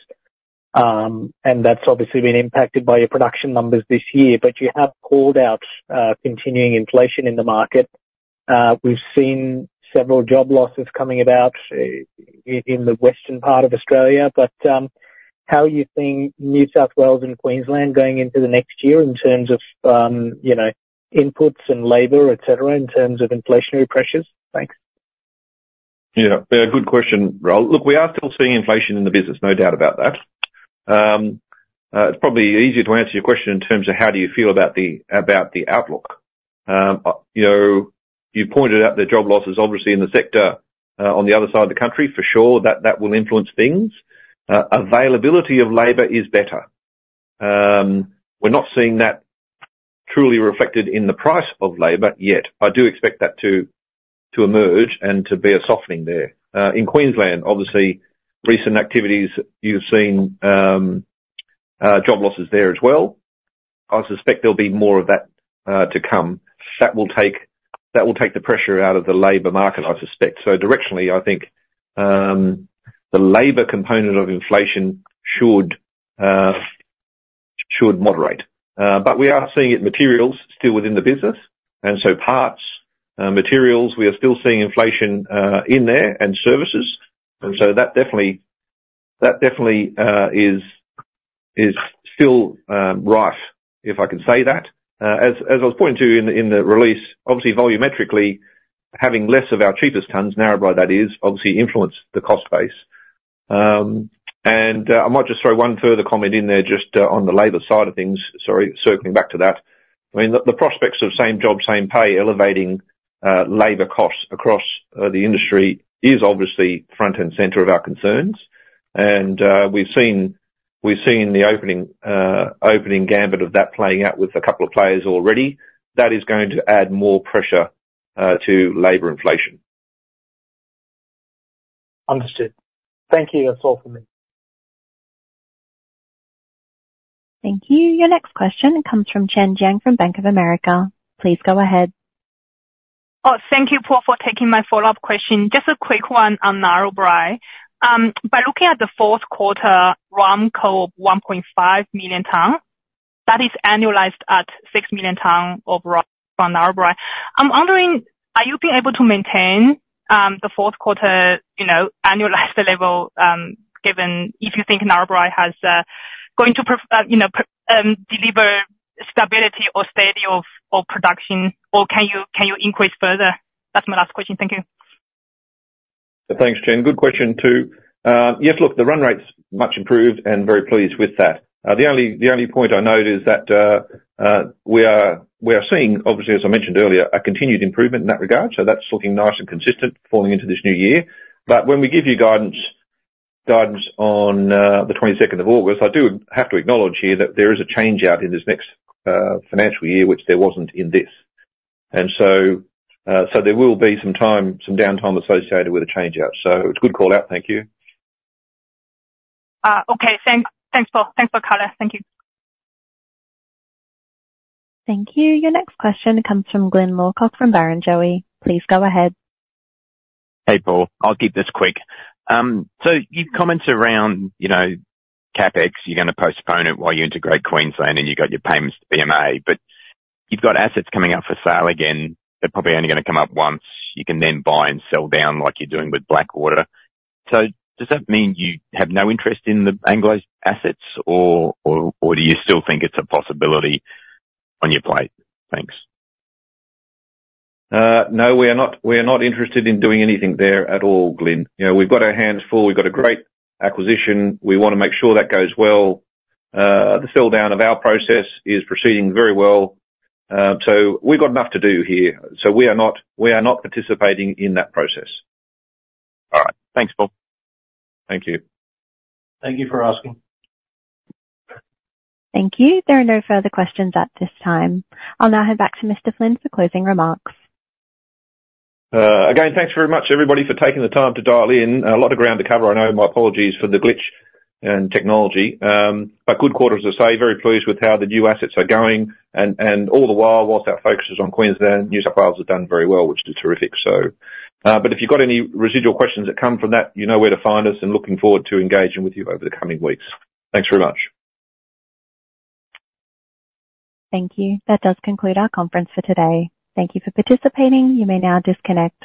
and that's obviously been impacted by your production numbers this year, but you have called out, continuing inflation in the market. We've seen several job losses coming about, in the western part of Australia. But, how are you seeing New South Wales and Queensland going into the next year in terms of, you know, inputs and labor, et cetera, in terms of inflationary pressures? Thanks. Yeah. Good question, Rahul. Look, we are still seeing inflation in the business, no doubt about that. It's probably easier to answer your question in terms of how do you feel about the outlook? You know, you pointed out the job losses, obviously, in the sector, on the other side of the country, for sure, that will influence things. Availability of labor is better. We're not seeing that truly reflected in the price of labor yet. I do expect that to emerge and to be a softening there. In Queensland, obviously, recent activities, you've seen, job losses there as well. I suspect there'll be more of that to come. That will take the pressure out of the labor market, I suspect. So directionally, I think, the labor component of inflation should, should moderate. But we are seeing it in materials still within the business, and so parts, materials, we are still seeing inflation, in there, and services. And so that definitely, that definitely, is still rife, if I can say that. As I was pointing to you in the, in the release, obviously volumetrically, having less of our cheapest tons, Narrabri that is, obviously influence the cost base. And, I might just throw one further comment in there, just, on the labor side of things. Sorry, circling back to that. I mean, the, the prospects of Same Job, Same Pay, elevating, labor costs across, the industry is obviously front and center of our concerns. We've seen the opening gambit of that playing out with a couple of players already. That is going to add more pressure to labor inflation. Understood. Thank you. That's all for me. Thank you. Your next question comes from Chen Jiang from Bank of America. Please go ahead. Oh, thank you, Paul, for taking my follow-up question. Just a quick one on Narrabri. By looking at the fourth quarter, ROM coal, 1.5 million tons, that is annualized at 6 million tons of ROM from Narrabri. I'm wondering, are you being able to maintain the fourth quarter, you know, annualized level, given if you think Narrabri has going to provide stability or steady production, or can you increase further? That's my last question. Thank you. Thanks, Chen. Good question, too. Yes, look, the run rate's much improved and very pleased with that. The only, the only point I noted is that, we are, we are seeing, obviously, as I mentioned earlier, a continued improvement in that regard, so that's looking nice and consistent falling into this new year. But when we give you guidance, guidance on, the 22nd of August, I do have to acknowledge here that there is a change-out in this next, financial year, which there wasn't in this. And so, so there will be some time, some downtime associated with the change out. So it's a good call out. Thank you. Okay, thanks. Thanks, Paul. Thanks for color. Thank you. Thank you. Your next question comes from Glyn Lawcock from Barrenjoey. Please go ahead. Hey, Paul. I'll keep this quick. So your comments around, you know, CapEx, you're gonna postpone it while you integrate Queensland, and you've got your payments to BMA, but you've got assets coming up for sale again. They're probably only gonna come up once. You can then buy and sell down, like you're doing with Blackwater. So does that mean you have no interest in the Anglo's assets or, or, or do you still think it's a possibility on your plate? Thanks. No, we are not, we are not interested in doing anything there at all, Glyn. You know, we've got our hands full. We've got a great acquisition. We want to make sure that goes well. The sell down of our process is proceeding very well. So we've got enough to do here, so we are not, we are not participating in that process. All right. Thanks, Paul. Thank you. Thank you for asking. Thank you. There are no further questions at this time. I'll now head back to Mr. Flynn for closing remarks. Again, thanks very much, everybody, for taking the time to dial in. A lot of ground to cover. I know, my apologies for the glitch in technology, but good quarter, as I say, very pleased with how the new assets are going. And, and all the while, whilst our focus is on Queensland, New South Wales has done very well, which is terrific, so... But if you've got any residual questions that come from that, you know where to find us, and looking forward to engaging with you over the coming weeks. Thanks very much. Thank you. That does conclude our conference for today. Thank you for participating. You may now disconnect.